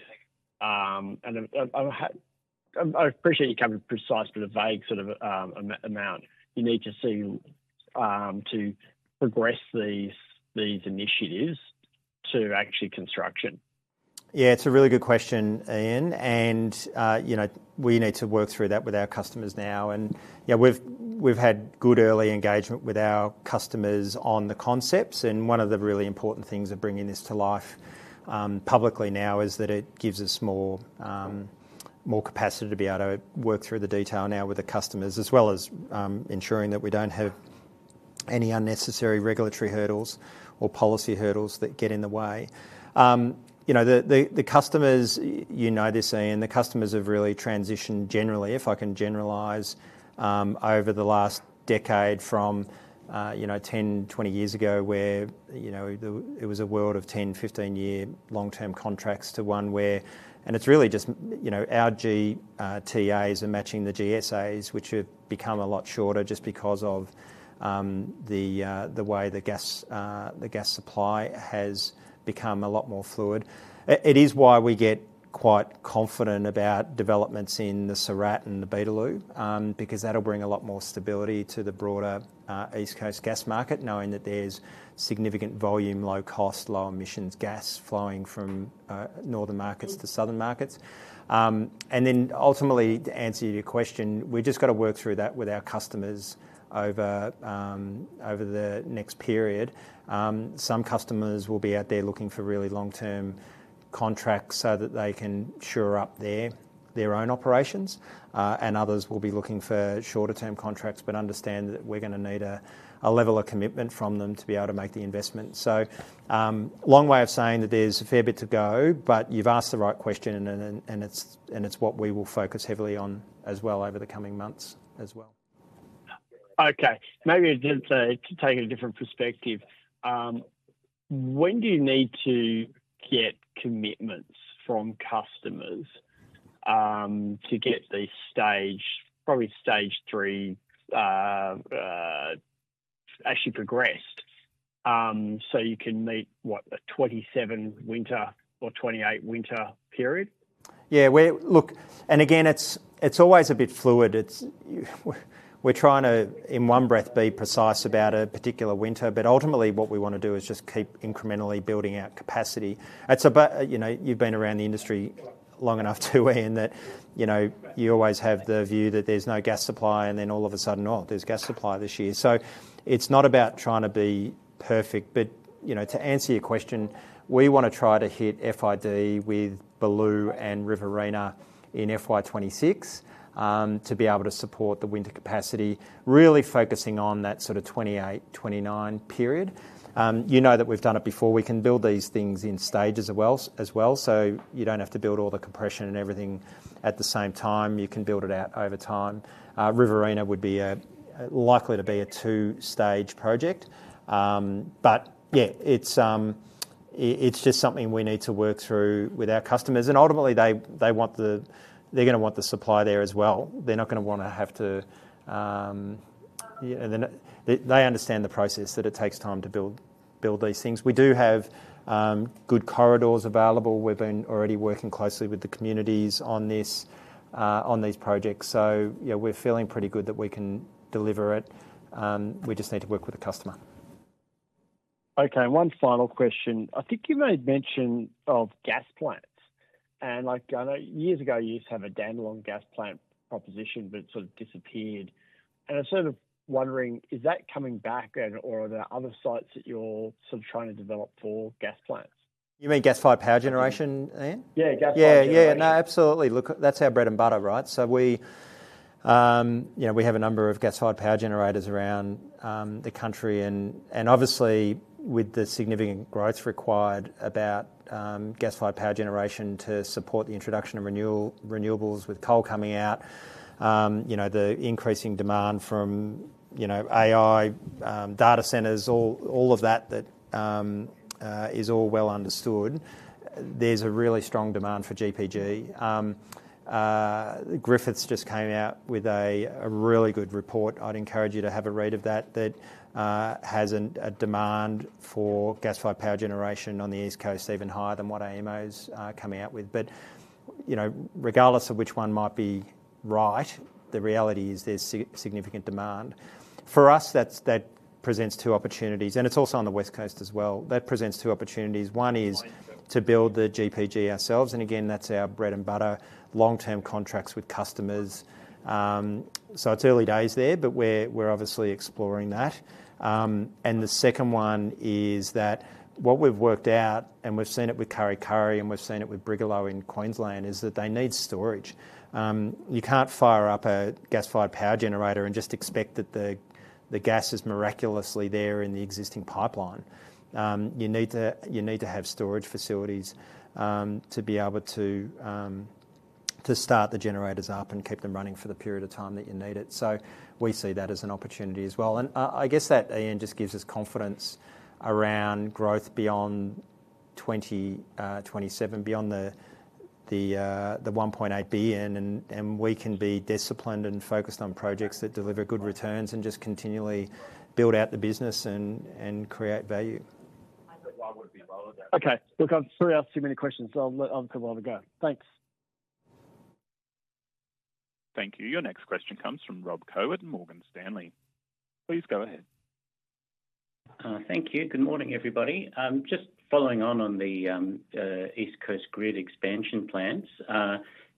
And I appreciate you can't be precise, but a vague sort of amount you need to see to progress these initiatives to actual construction? Yeah, it's a really good question, Ian. We need to work through that with our customers now. Yeah, we've had good early engagement with our customers on the concepts. One of the really important things of bringing this to life publicly now is that it gives us more capacity to be able to work through the detail now with the customers, as well as ensuring that we don't have any unnecessary regulatory hurdles or policy hurdles that get in the way. The customers, you know this, Ian, the customers have really transitioned generally, if I can generalize, over the last decade from 10, 20 years ago where it was a world of 10, 15-year long-term contracts to one where, and it's really just our GTAs are matching the GSAs, which have become a lot shorter just because of the way the gas supply has become a lot more fluid. It is why we get quite confident about developments in the Surat and the Beetaloo, because that'll bring a lot more stability to the broader East Coast gas market, knowing that there's significant volume, low-cost, low-emissions gas flowing from northern markets to southern markets. Then ultimately, to answer your question, we've just got to work through that with our customers over the next period. Some customers will be out there looking for really long-term contracts so that they can shore up their own operations, and others will be looking for shorter-term contracts, but understand that we're going to need a level of commitment from them to be able to make the investment. So long way of saying that there's a fair bit to go, but you've asked the right question, and it's what we will focus heavily on as well over the coming months as well. Okay. Maybe to take a different perspective, when do you need to get commitments from customers to get these staged, probably stage three, actually progressed so you can meet what, a 2027 winter or 2028 winter period? Yeah. Look, and again, it's always a bit fluid. We're trying to, in one breath, be precise about a particular winter, but ultimately, what we want to do is just keep incrementally building out capacity. You've been around the industry long enough too, Ian, that you always have the view that there's no gas supply, and then all of a sudden, oh, there's gas supply this year. So it's not about trying to be perfect, but to answer your question, we want to try to hit FID with Beetaloo and Riverina in FY 2026 to be able to support the winter capacity, really focusing on that sort of 2028, 2029 period. You know that we've done it before. We can build these things in stages as well. So you don't have to build all the compression and everything at the same time. You can build it out over time. Riverina would be likely to be a two-stage project. But yeah, it's just something we need to work through with our customers. And ultimately, they're going to want the supply there as well. They're not going to want to have to. They understand the process that it takes time to build these things. We do have good corridors available. We've been already working closely with the communities on these projects. So we're feeling pretty good that we can deliver it. We just need to work with the customer. Okay. One final question. I think you may have mentioned gas plants. I know years ago, you used to have a Dandenong gas plant proposition, but it sort of disappeared. I'm sort of wondering, is that coming back, or are there other sites that you're sort of trying to develop for gas plants? You mean gas-fired power generation, Ian? Yeah, gas-fired power generation. Yeah, yeah. No, absolutely. Look, that's our bread and butter, right? We have a number of gas-fired power generators around the country. Obviously, with the significant growth required about gas-fired power generation to support the introduction of renewables with coal coming out, the increasing demand from AI data centers, all of that is all well understood. There's a really strong demand for GPG. Griffiths just came out with a really good report. I'd encourage you to have a read of that. That has a demand for gas-fired power generation on the East Coast even higher than what AEMO's coming out with. But regardless of which one might be right, the reality is there's significant demand. For us, that presents two opportunities. And it's also on the West Coast as well. That presents two opportunities. One is to build the GPG ourselves. And again, that's our bread and butter, long-term contracts with customers. So it's early days there, but we're obviously exploring that. And the second one is that what we've worked out, and we've seen it with Kurri Kurri, and we've seen it with Brigalow in Queensland, is that they need storage. You can't fire up a gas-fired power generator and just expect that the gas is miraculously there in the existing pipeline. You need to have storage facilities to be able to start the generators up and keep them running for the period of time that you need it. So we see that as an opportunity as well. And I guess that, Ian, just gives us confidence around growth beyond 2027, beyond the 1.8 billion. And we can be disciplined and focused on projects that deliver good returns and just continually build out the business and create value. Okay. Look, I'm sorry I asked too many questions. I'll let the others go. Thanks. Thank you. Your next question comes from Rob Koh and Morgan Stanley. Please go ahead. Thank you. Good morning, everybody. Just following on the East Coast Grid expansion plans,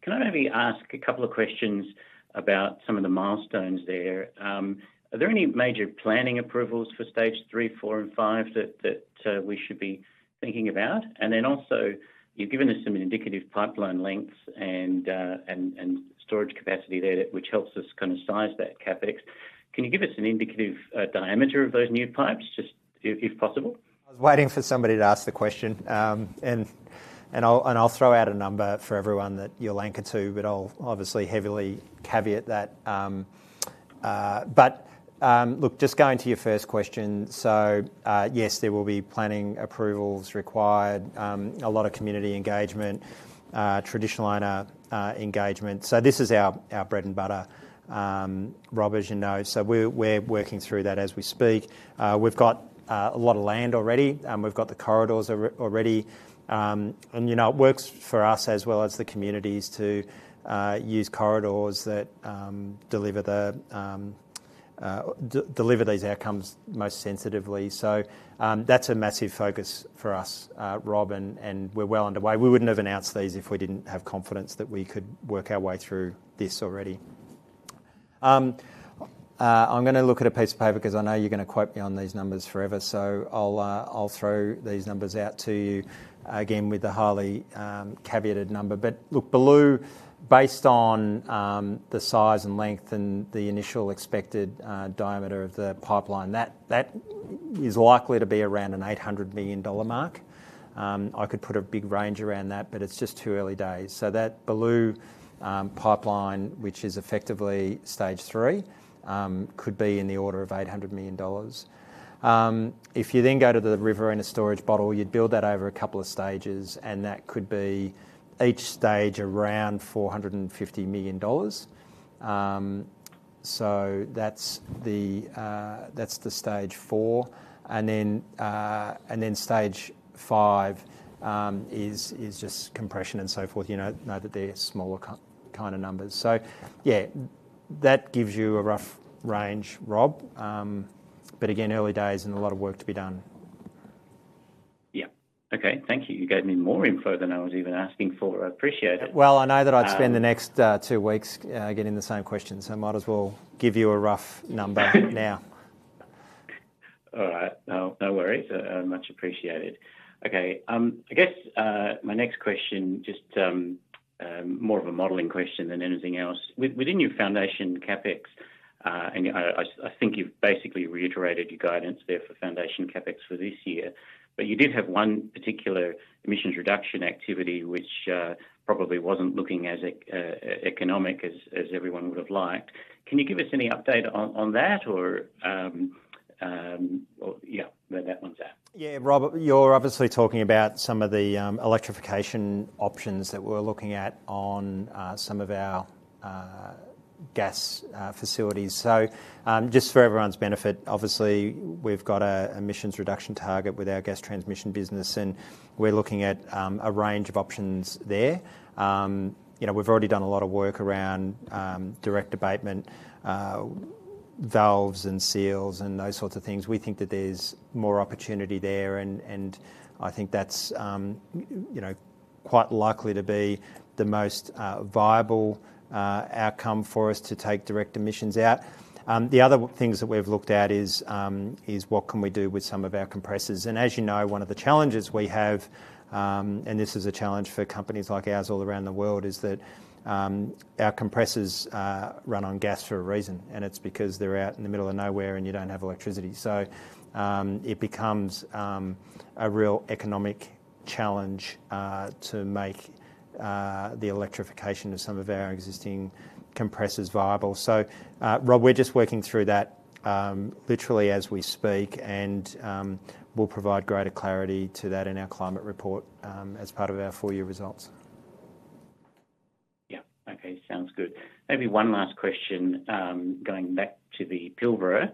can I maybe ask a couple of questions about some of the milestones there? Are there any major planning approvals for stage three, four, and five that we should be thinking about? And then also, you've given us some indicative pipeline lengths and storage capacity there, which helps us kind of size that CapEx. Can you give us an indicative diameter of those new pipes, just if possible? I was waiting for somebody to ask the question, and I'll throw out a number for everyone that you'll link it to, but I'll obviously heavily caveat that. But look, just going to your first question. So yes, there will be planning approvals required, a lot of community engagement, traditional owner engagement. So this is our bread and butter, Rob, as you know. So we're working through that as we speak. We've got a lot of land already. We've got the corridors already. It works for us as well as the communities to use corridors that deliver these outcomes most sensitively. That's a massive focus for us, Rob, and we're well underway. We wouldn't have announced these if we didn't have confidence that we could work our way through this already. I'm going to look at a piece of paper because I know you're going to quote me on these numbers forever. I'll throw these numbers out to you again with the highly caveated number. But look, Beetaloo, based on the size and length and the initial expected diameter of the pipeline, that is likely to be around an 800 million dollar mark. I could put a big range around that, but it's just too early days. That Beetaloo pipeline, which is effectively stage three, could be in the order of 800 million dollars. If you then go to the Riverina storage facility, you'd build that over a couple of stages, and that could be each stage around 450 million dollars. So that's the stage four. And then stage five is just compression and so forth. You know that they're smaller kind of numbers. So yeah, that gives you a rough range, Rob. But again, early days and a lot of work to be done. Yeah. Okay. Thank you. You gave me more info than I was even asking for. I appreciate it. Well, I know that I'd spend the next two weeks getting the same question, so I might as well give you a rough number now. All right. No worries. Much appreciated. Okay. I guess my next question, just more of a modelling question than anything else. Within your foundation CapEx, and I think you've basically reiterated your guidance there for foundation CapEx for this year, but you did have one particular emissions reduction activity, which probably wasn't looking as economic as everyone would have liked. Can you give us any update on that, or yeah, where that one's at? Yeah, Rob, you're obviously talking about some of the electrification options that we're looking at on some of our gas facilities. So just for everyone's benefit, obviously, we've got an emissions reduction target with our gas transmission business, and we're looking at a range of options there. We've already done a lot of work around direct abatement valves and seals and those sorts of things. We think that there's more opportunity there, and I think that's quite likely to be the most viable outcome for us to take direct emissions out. The other things that we've looked at is what can we do with some of our compressors. And as you know, one of the challenges we have, and this is a challenge for companies like ours all around the world, is that our compressors run on gas for a reason, and it's because they're out in the middle of nowhere and you don't have electricity. So it becomes a real economic challenge to make the electrification of some of our existing compressors viable. So Rob, we're just working through that literally as we speak, and we'll provide greater clarity to that in our climate report as part of our four-year results. Yeah. Okay. Sounds good. Maybe one last question going back to the Pilbara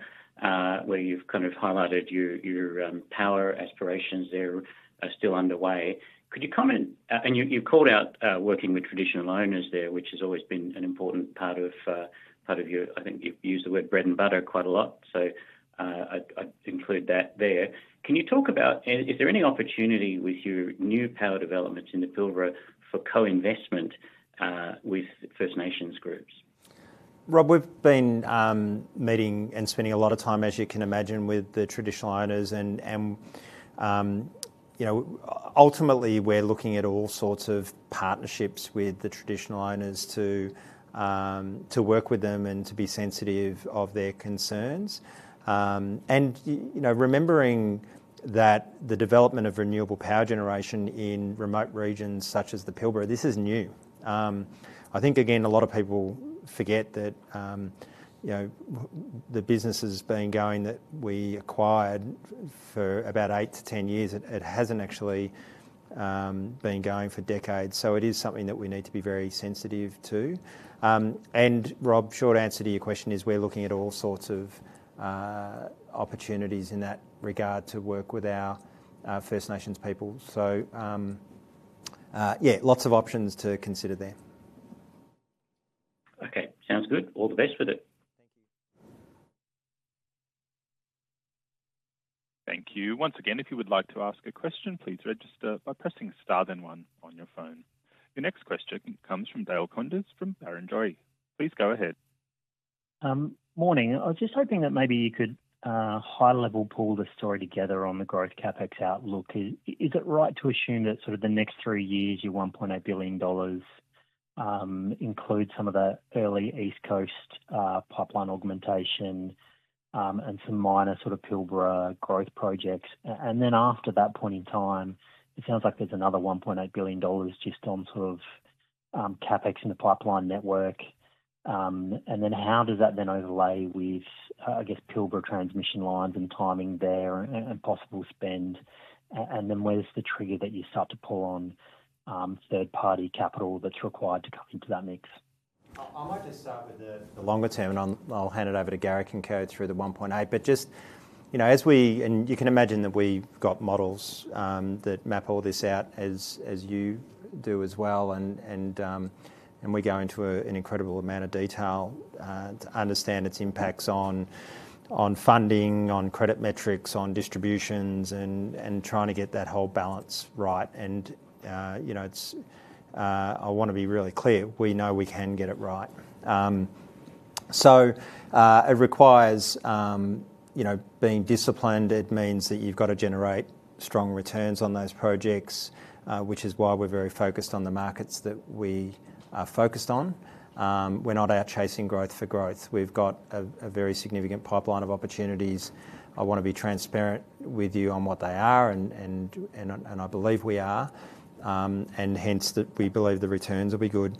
where you've kind of highlighted your power aspirations there are still underway. Could you comment? And you've called out working with traditional owners there, which has always been an important part of your. I think you've used the word bread and butter quite a lot. So I'd include that there. Can you talk about, is there any opportunity with your new power developments in the Pilbara for co-investment with First Nations groups? Rob, we've been meeting and spending a lot of time, as you can imagine, with the traditional owners. And ultimately, we're looking at all sorts of partnerships with the traditional owners to work with them and to be sensitive of their concerns. And remembering that the development of renewable power generation in remote regions such as the Pilbara, this is new. I think, again, a lot of people forget that the business has been going that we acquired for about eight to 10 years. It hasn't actually been going for decades. So it is something that we need to be very sensitive to. And Rob, short answer to your question is we're looking at all sorts of opportunities in that regard to work with our First Nations people. So yeah, lots of options to consider there. Okay. Sounds good. All the best with it. Thank you. Thank you. Once again, if you would like to ask a question, please register by pressing the star then one on your phone. Your next question comes from Dale Koenders from Barrenjoey. Please go ahead. Morning. I was just hoping that maybe you could high-level pull the story together on the growth CapEx outlook. Is it right to assume that sort of the next three years, your 1.8 billion dollars includes some of the early East Coast pipeline augmentation and some minor sort of Pilbara growth projects? And then after that point in time, it sounds like there's another 1.8 billion dollars just on sort of CapEx in the pipeline network. And then how does that then overlay with, I guess, Pilbara transmission lines and timing there and possible spend? And then where's the trigger that you start to pull on third-party capital that's required to come into that mix? I might just start with the longer term, and I'll hand it over to Garrick can go through the 1.8. But just as we, and you can imagine that we've got models that map all this out as you do as well. And we go into an incredible amount of detail to understand its impacts on funding, on credit metrics, on distributions, and trying to get that whole balance right. And I want to be really clear. We know we can get it right. So it requires being disciplined. It means that you've got to generate strong returns on those projects, which is why we're very focused on the markets that we are focused on. We're not out chasing growth for growth. We've got a very significant pipeline of opportunities. I want to be transparent with you on what they are, and I believe we are, and hence that we believe the returns will be good.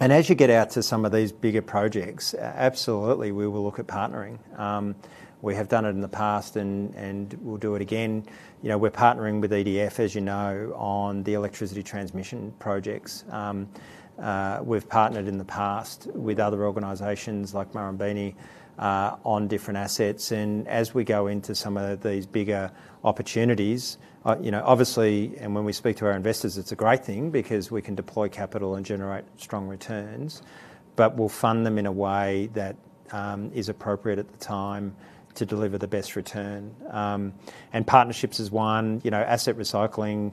And as you get out to some of these bigger projects, absolutely, we will look at partnering. We have done it in the past, and we'll do it again. We're partnering with EDF, as you know, on the electricity transmission projects. We've partnered in the past with other organisations like Marubeni on different assets. And as we go into some of these bigger opportunities, obviously, and when we speak to our investors, it's a great thing because we can deploy capital and generate strong returns, but we'll fund them in a way that is appropriate at the time to deliver the best return. And partnerships is one. Asset recycling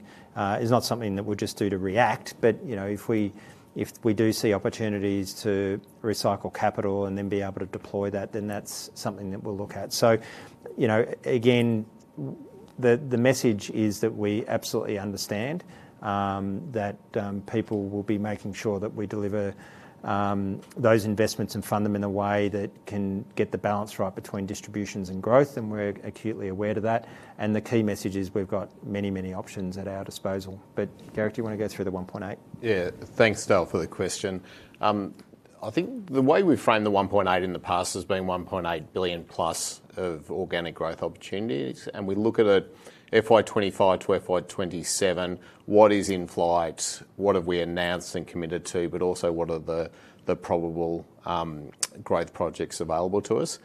is not something that we'll just do to react, but if we do see opportunities to recycle capital and then be able to deploy that, then that's something that we'll look at. So again, the message is that we absolutely understand that people will be making sure that we deliver those investments and fund them in a way that can get the balance right between distributions and growth, and we're acutely aware of that. And the key message is we've got many, many options at our disposal. But Garrick, do you want to go through the 1.8? Yeah. Thanks, Dale, for the question. I think the way we've framed the 1.8 in the past has been 1.8 billion plus of organic growth opportunities. And we look at it FY 2025 to FY 2027, what is in flight, what have we announced and committed to, but also what are the probable growth projects available to us?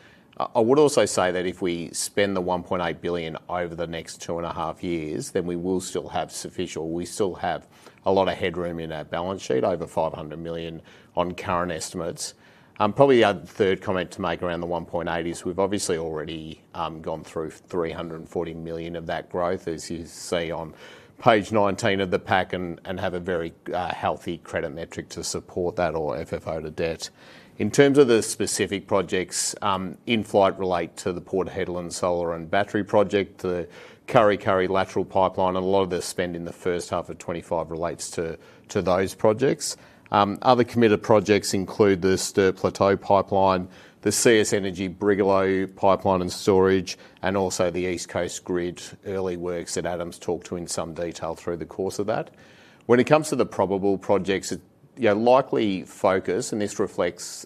I would also say that if we spend the 1.8 billion over the next two and a half years, then we will still have sufficient or we still have a lot of headroom in our balance sheet over 500 million on current estimates. Probably the third comment to make around the 1.8 is we've obviously already gone through 340 million of that growth, as you see on page 19 of the pack, and have a very healthy credit metric to support that or FFO to debt. In terms of the specific projects in flight relate to the Port Hedland Solar and Battery Project, the Kurri Kurri Lateral Pipeline, and a lot of the spend in the first half of 2025 relates to those projects. Other committed projects include the Sturt Plateau Pipeline, the CS Energy Brigalow pipeline and storage, and also the East Coast Grid early works that Adam's talked to in some detail through the course of that. When it comes to the probable projects, likely focus, and this reflects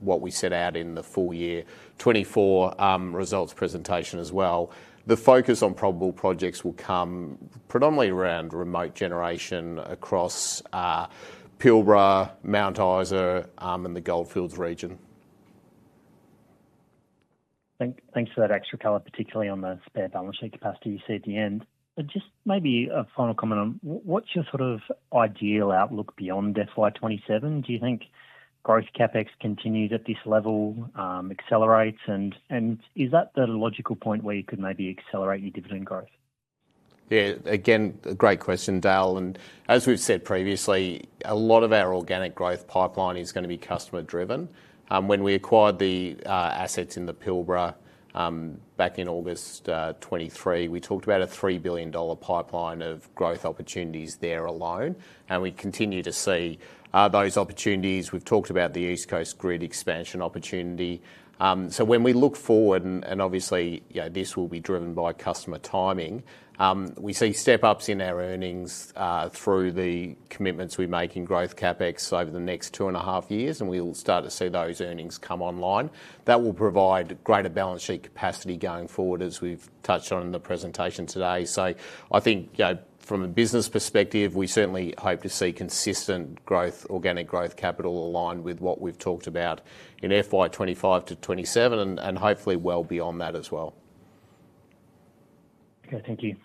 what we set out in the full year 2024 results presentation as well, the focus on probable projects will come predominantly around remote generation across Pilbara, Mount Isa, and the Goldfields region. Thanks for that extra color, particularly on the spare balance sheet capacity you said at the end. Just maybe a final comment on what's your sort of ideal outlook beyond FY 2027? Do you think growth CapEx continues at this level, accelerates, and is that the logical point where you could maybe accelerate your dividend growth? Yeah. Again, great question, Dale. And as we've said previously, a lot of our organic growth pipeline is going to be customer-driven. When we acquired the assets in the Pilbara back in August 2023, we talked about a 3 billion dollar pipeline of growth opportunities there alone, and we continue to see those opportunities. We've talked about the East Coast Grid expansion opportunity. So when we look forward, and obviously this will be driven by customer timing, we see step-ups in our earnings through the commitments we make in growth CapEx over the next two and a half years, and we'll start to see those earnings come online. That will provide greater balance sheet capacity going forward, as we've touched on in the presentation today. So I think from a business perspective, we certainly hope to see consistent organic growth capital aligned with what we've talked about in FY 2025 to FY 2027 and hopefully well beyond that as well. Okay. Thank you.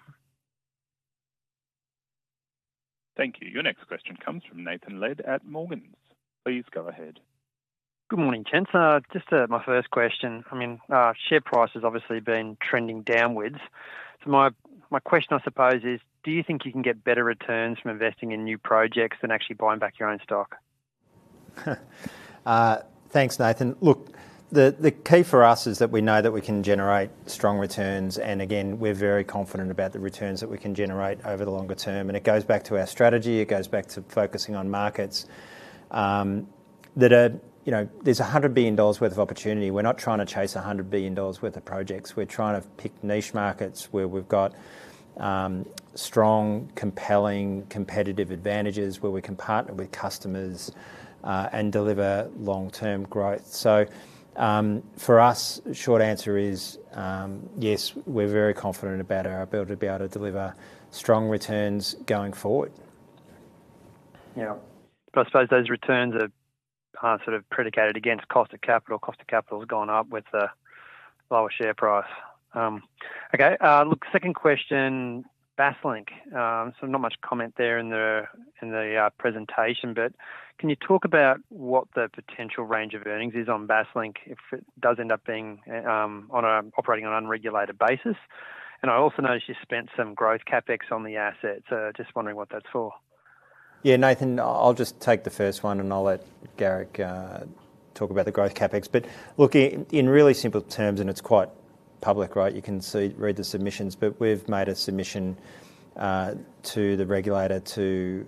Thank you. Your next question comes from Nathan Lead at Morgans. Please go ahead. Good morning, Adam. Just my first question. I mean, share price has obviously been trending downwards. So my question, I suppose, is do you think you can get better returns from investing in new projects than actually buying back your own stock? Thanks, Nathan. Look, the key for us is that we know that we can generate strong returns, and again, we're very confident about the returns that we can generate over the longer term. And it goes back to our strategy. It goes back to focusing on markets that there's 100 billion dollars worth of opportunity. We're not trying to chase 100 billion dollars worth of projects. We're trying to pick niche markets where we've got strong, compelling, competitive advantages, where we can partner with customers and deliver long-term growth. So for us, short answer is yes, we're very confident about our ability to be able to deliver strong returns going forward. Yeah. But I suppose those returns are sort of predicated against cost of capital. Cost of capital has gone up with the lower share price. Okay. Look, second question, Basslink. So not much comment there in the presentation, but can you talk about what the potential range of earnings is on Basslink if it does end up operating on an unregulated basis? And I also noticed you spent some growth CapEx on the assets. Just wondering what that's for. Yeah, Nathan, I'll just take the first one, and I'll let Garrick talk about the growth CapEx. But look, in really simple terms, and it's quite public, right? You can read the submissions, but we've made a submission to the regulator to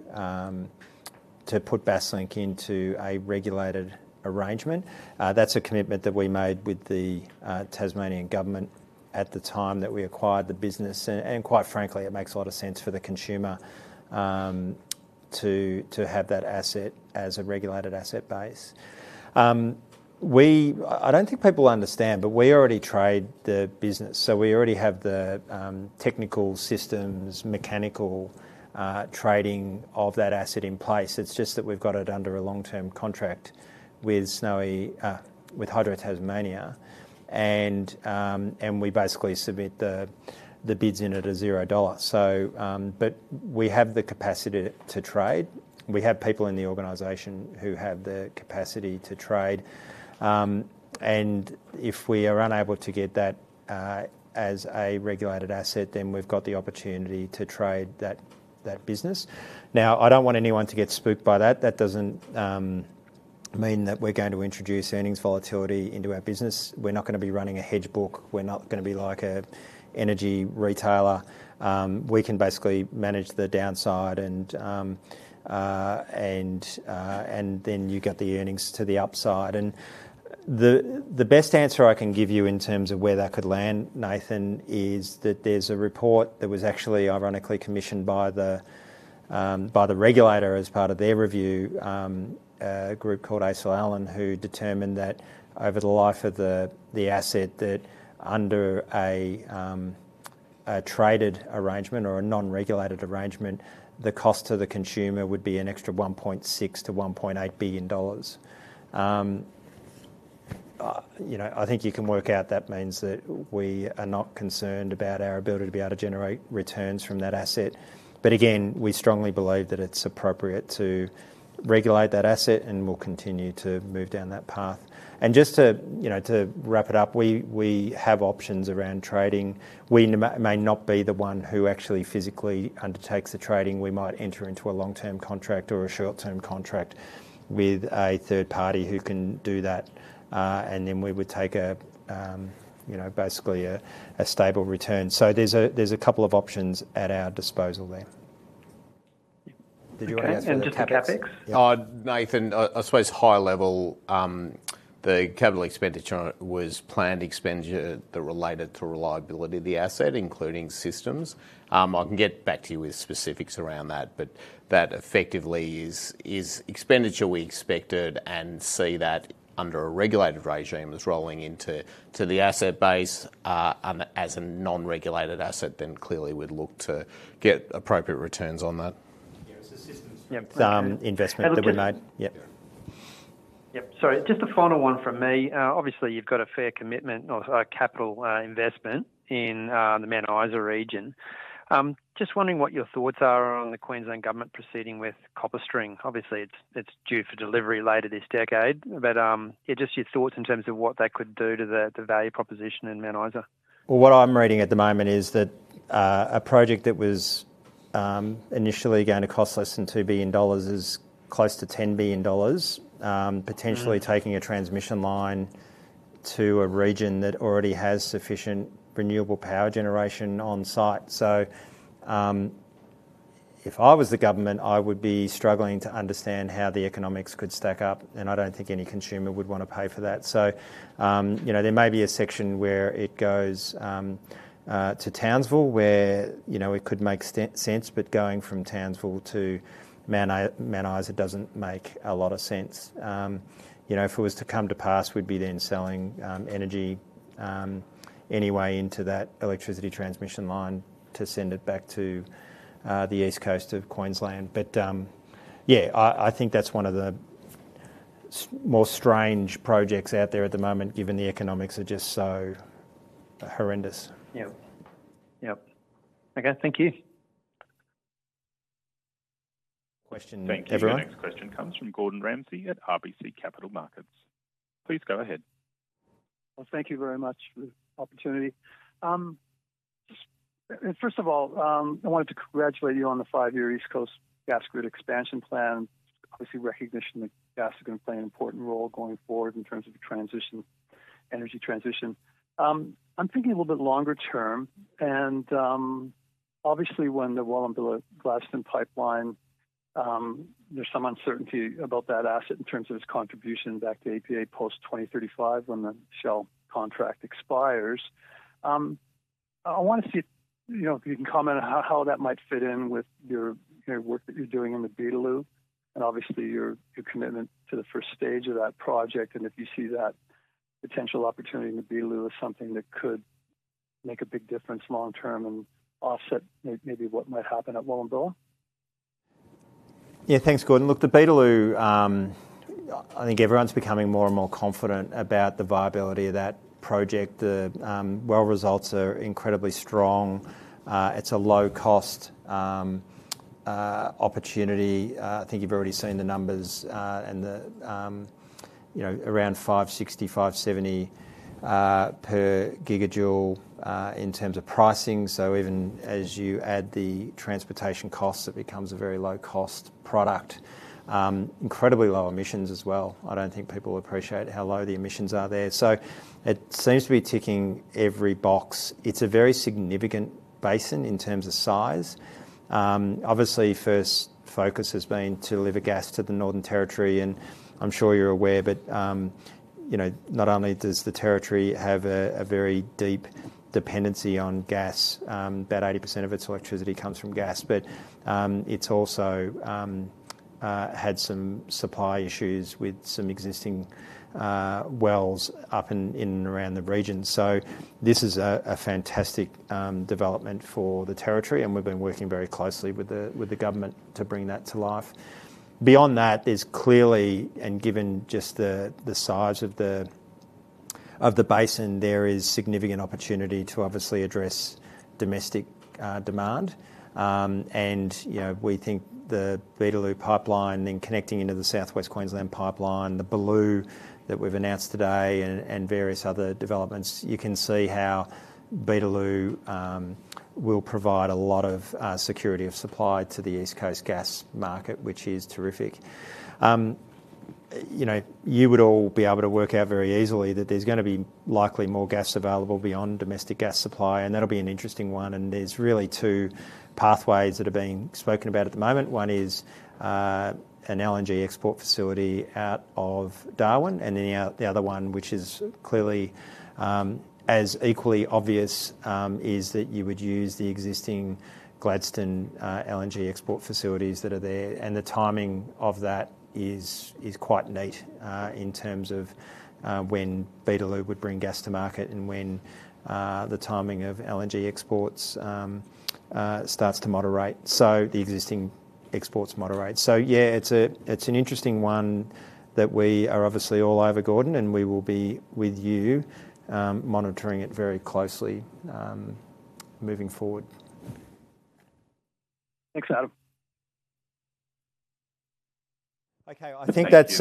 put Basslink into a regulated arrangement. That's a commitment that we made with the Tasmanian government at the time that we acquired the business, and quite frankly, it makes a lot of sense for the consumer to have that asset as a regulated asset base. I don't think people understand, but we already trade the business, so we already have the technical systems, mechanical trading of that asset in place. It's just that we've got it under a long-term contract with Hydro Tasmania, and we basically submit the bids in at 0 dollar. But we have the capacity to trade. We have people in the organization who have the capacity to trade. And if we are unable to get that as a regulated asset, then we've got the opportunity to trade that business. Now, I don't want anyone to get spooked by that. That doesn't mean that we're going to introduce earnings volatility into our business. We're not going to be running a hedge book. We're not going to be like an energy retailer. We can basically manage the downside, and then you get the earnings to the upside. And the best answer I can give you in terms of where that could land, Nathan, is that there's a report that was actually ironically commissioned by the regulator as part of their review group called ACIL Allen, who determined that over the life of the asset, that under a traded arrangement or a non-regulated arrangement, the cost to the consumer would be an extra 1.6-1.8 billion dollars. I think you can work out that means that we are not concerned about our ability to be able to generate returns from that asset. But again, we strongly believe that it's appropriate to regulate that asset, and we'll continue to move down that path. And just to wrap it up, we have options around trading. We may not be the one who actually physically undertakes the trading. We might enter into a long-term contract or a short-term contract with a third party who can do that, and then we would take basically a stable return. So there's a couple of options at our disposal there. Did you want to answer that question? Nathan, I suppose high level, the capital expenditure was planned expenditure that related to reliability of the asset, including systems. I can get back to you with specifics around that, but that effectively is expenditure we expected and see that under a regulated regime is rolling into the asset base as a non-regulated asset, then clearly would look to get appropriate returns on that. Yeah, it's a systems investment that we made. Yep. Sorry, just a final one from me. Obviously, you've got a fair commitment or capital investment in the Mount Isa region. Just wondering what your thoughts are on the Queensland government proceeding with CopperString. Obviously, it's due for delivery later this decade, but just your thoughts in terms of what they could do to the value proposition in Mount Isa. What I'm reading at the moment is that a project that was initially going to cost less than 2 billion dollars is close to 10 billion dollars, potentially taking a transmission line to a region that already has sufficient renewable power generation on site. So if I was the government, I would be struggling to understand how the economics could stack up, and I don't think any consumer would want to pay for that. So there may be a section where it goes to Townsville, where it could make sense, but going from Townsville to Mount Isa doesn't make a lot of sense. If it was to come to pass, we'd be then selling energy anyway into that electricity transmission line to send it back to the East Coast of Queensland. But yeah, I think that's one of the more strange projects out there at the moment, given the economics are just so horrendous. Yep. Yep. Okay. Thank you. Questions, everyone. Thank you. The next question comes from Gordon Ramsay at RBC Capital Markets. Please go ahead. Well, thank you very much for the opportunity. First of all, I wanted to congratulate you on the five-year East Coast Gas Grid expansion plan, obviously recognition that gas is going to play an important role going forward in terms of the transition, energy transition. I'm thinking a little bit longer term, and obviously when the Wallumbilla-Gladstone Pipeline, there's some uncertainty about that asset in terms of its contribution back to APA post-2035 when the Shell contract expires. I want to see if you can comment on how that might fit in with the work that you're doing in the Beetaloo and obviously your commitment to the first stage of that project, and if you see that potential opportunity in the Beetaloo as something that could make a big difference long-term and offset maybe what might happen at Wallumbilla. Yeah. Thanks, Gordon. Look, the Beetaloo, I think everyone's becoming more and more confident about the viability of that project. The well results are incredibly strong. It's a low-cost opportunity. I think you've already seen the numbers and around 560-570 per gigajoule in terms of pricing. So even as you add the transportation costs, it becomes a very low-cost product. Incredibly low emissions as well. I don't think people appreciate how low the emissions are there. So it seems to be ticking every box. It's a very significant basin in terms of size. Obviously, first focus has been to deliver gas to the Northern Territory, and I'm sure you're aware, but not only does the territory have a very deep dependency on gas, about 80% of its electricity comes from gas, but it's also had some supply issues with some existing wells up in and around the region. So this is a fantastic development for the territory, and we've been working very closely with the government to bring that to life. Beyond that, there's clearly, and given just the size of the basin, there is significant opportunity to obviously address domestic demand. We think the Beetaloo pipeline, then connecting into the South West Queensland Pipeline, the Beetaloo that we've announced today, and various other developments. You can see how Beetaloo will provide a lot of security of supply to the East Coast gas market, which is terrific. You would all be able to work out very easily that there's going to be likely more gas available beyond domestic gas supply, and that'll be an interesting one. There's really two pathways that are being spoken about at the moment. One is an LNG export facility out of Darwin, and then the other one, which is clearly as equally obvious, is that you would use the existing Gladstone LNG export facilities that are there. The timing of that is quite neat in terms of when Beetaloo would bring gas to market and when the timing of LNG exports starts to moderate. So the existing exports moderate. So yeah, it's an interesting one that we are obviously all over, Gordon, and we will be with you monitoring it very closely moving forward. Thanks, Adam. Okay. I think that's.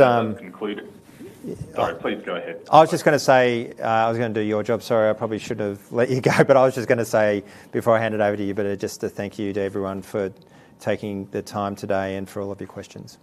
Sorry, please go ahead. I was just going to say I was going to do your job. Sorry, I probably should have let you go, but I was just going to say before I hand it over to you, but just to thank you to everyone for taking the time today and for all of your questions.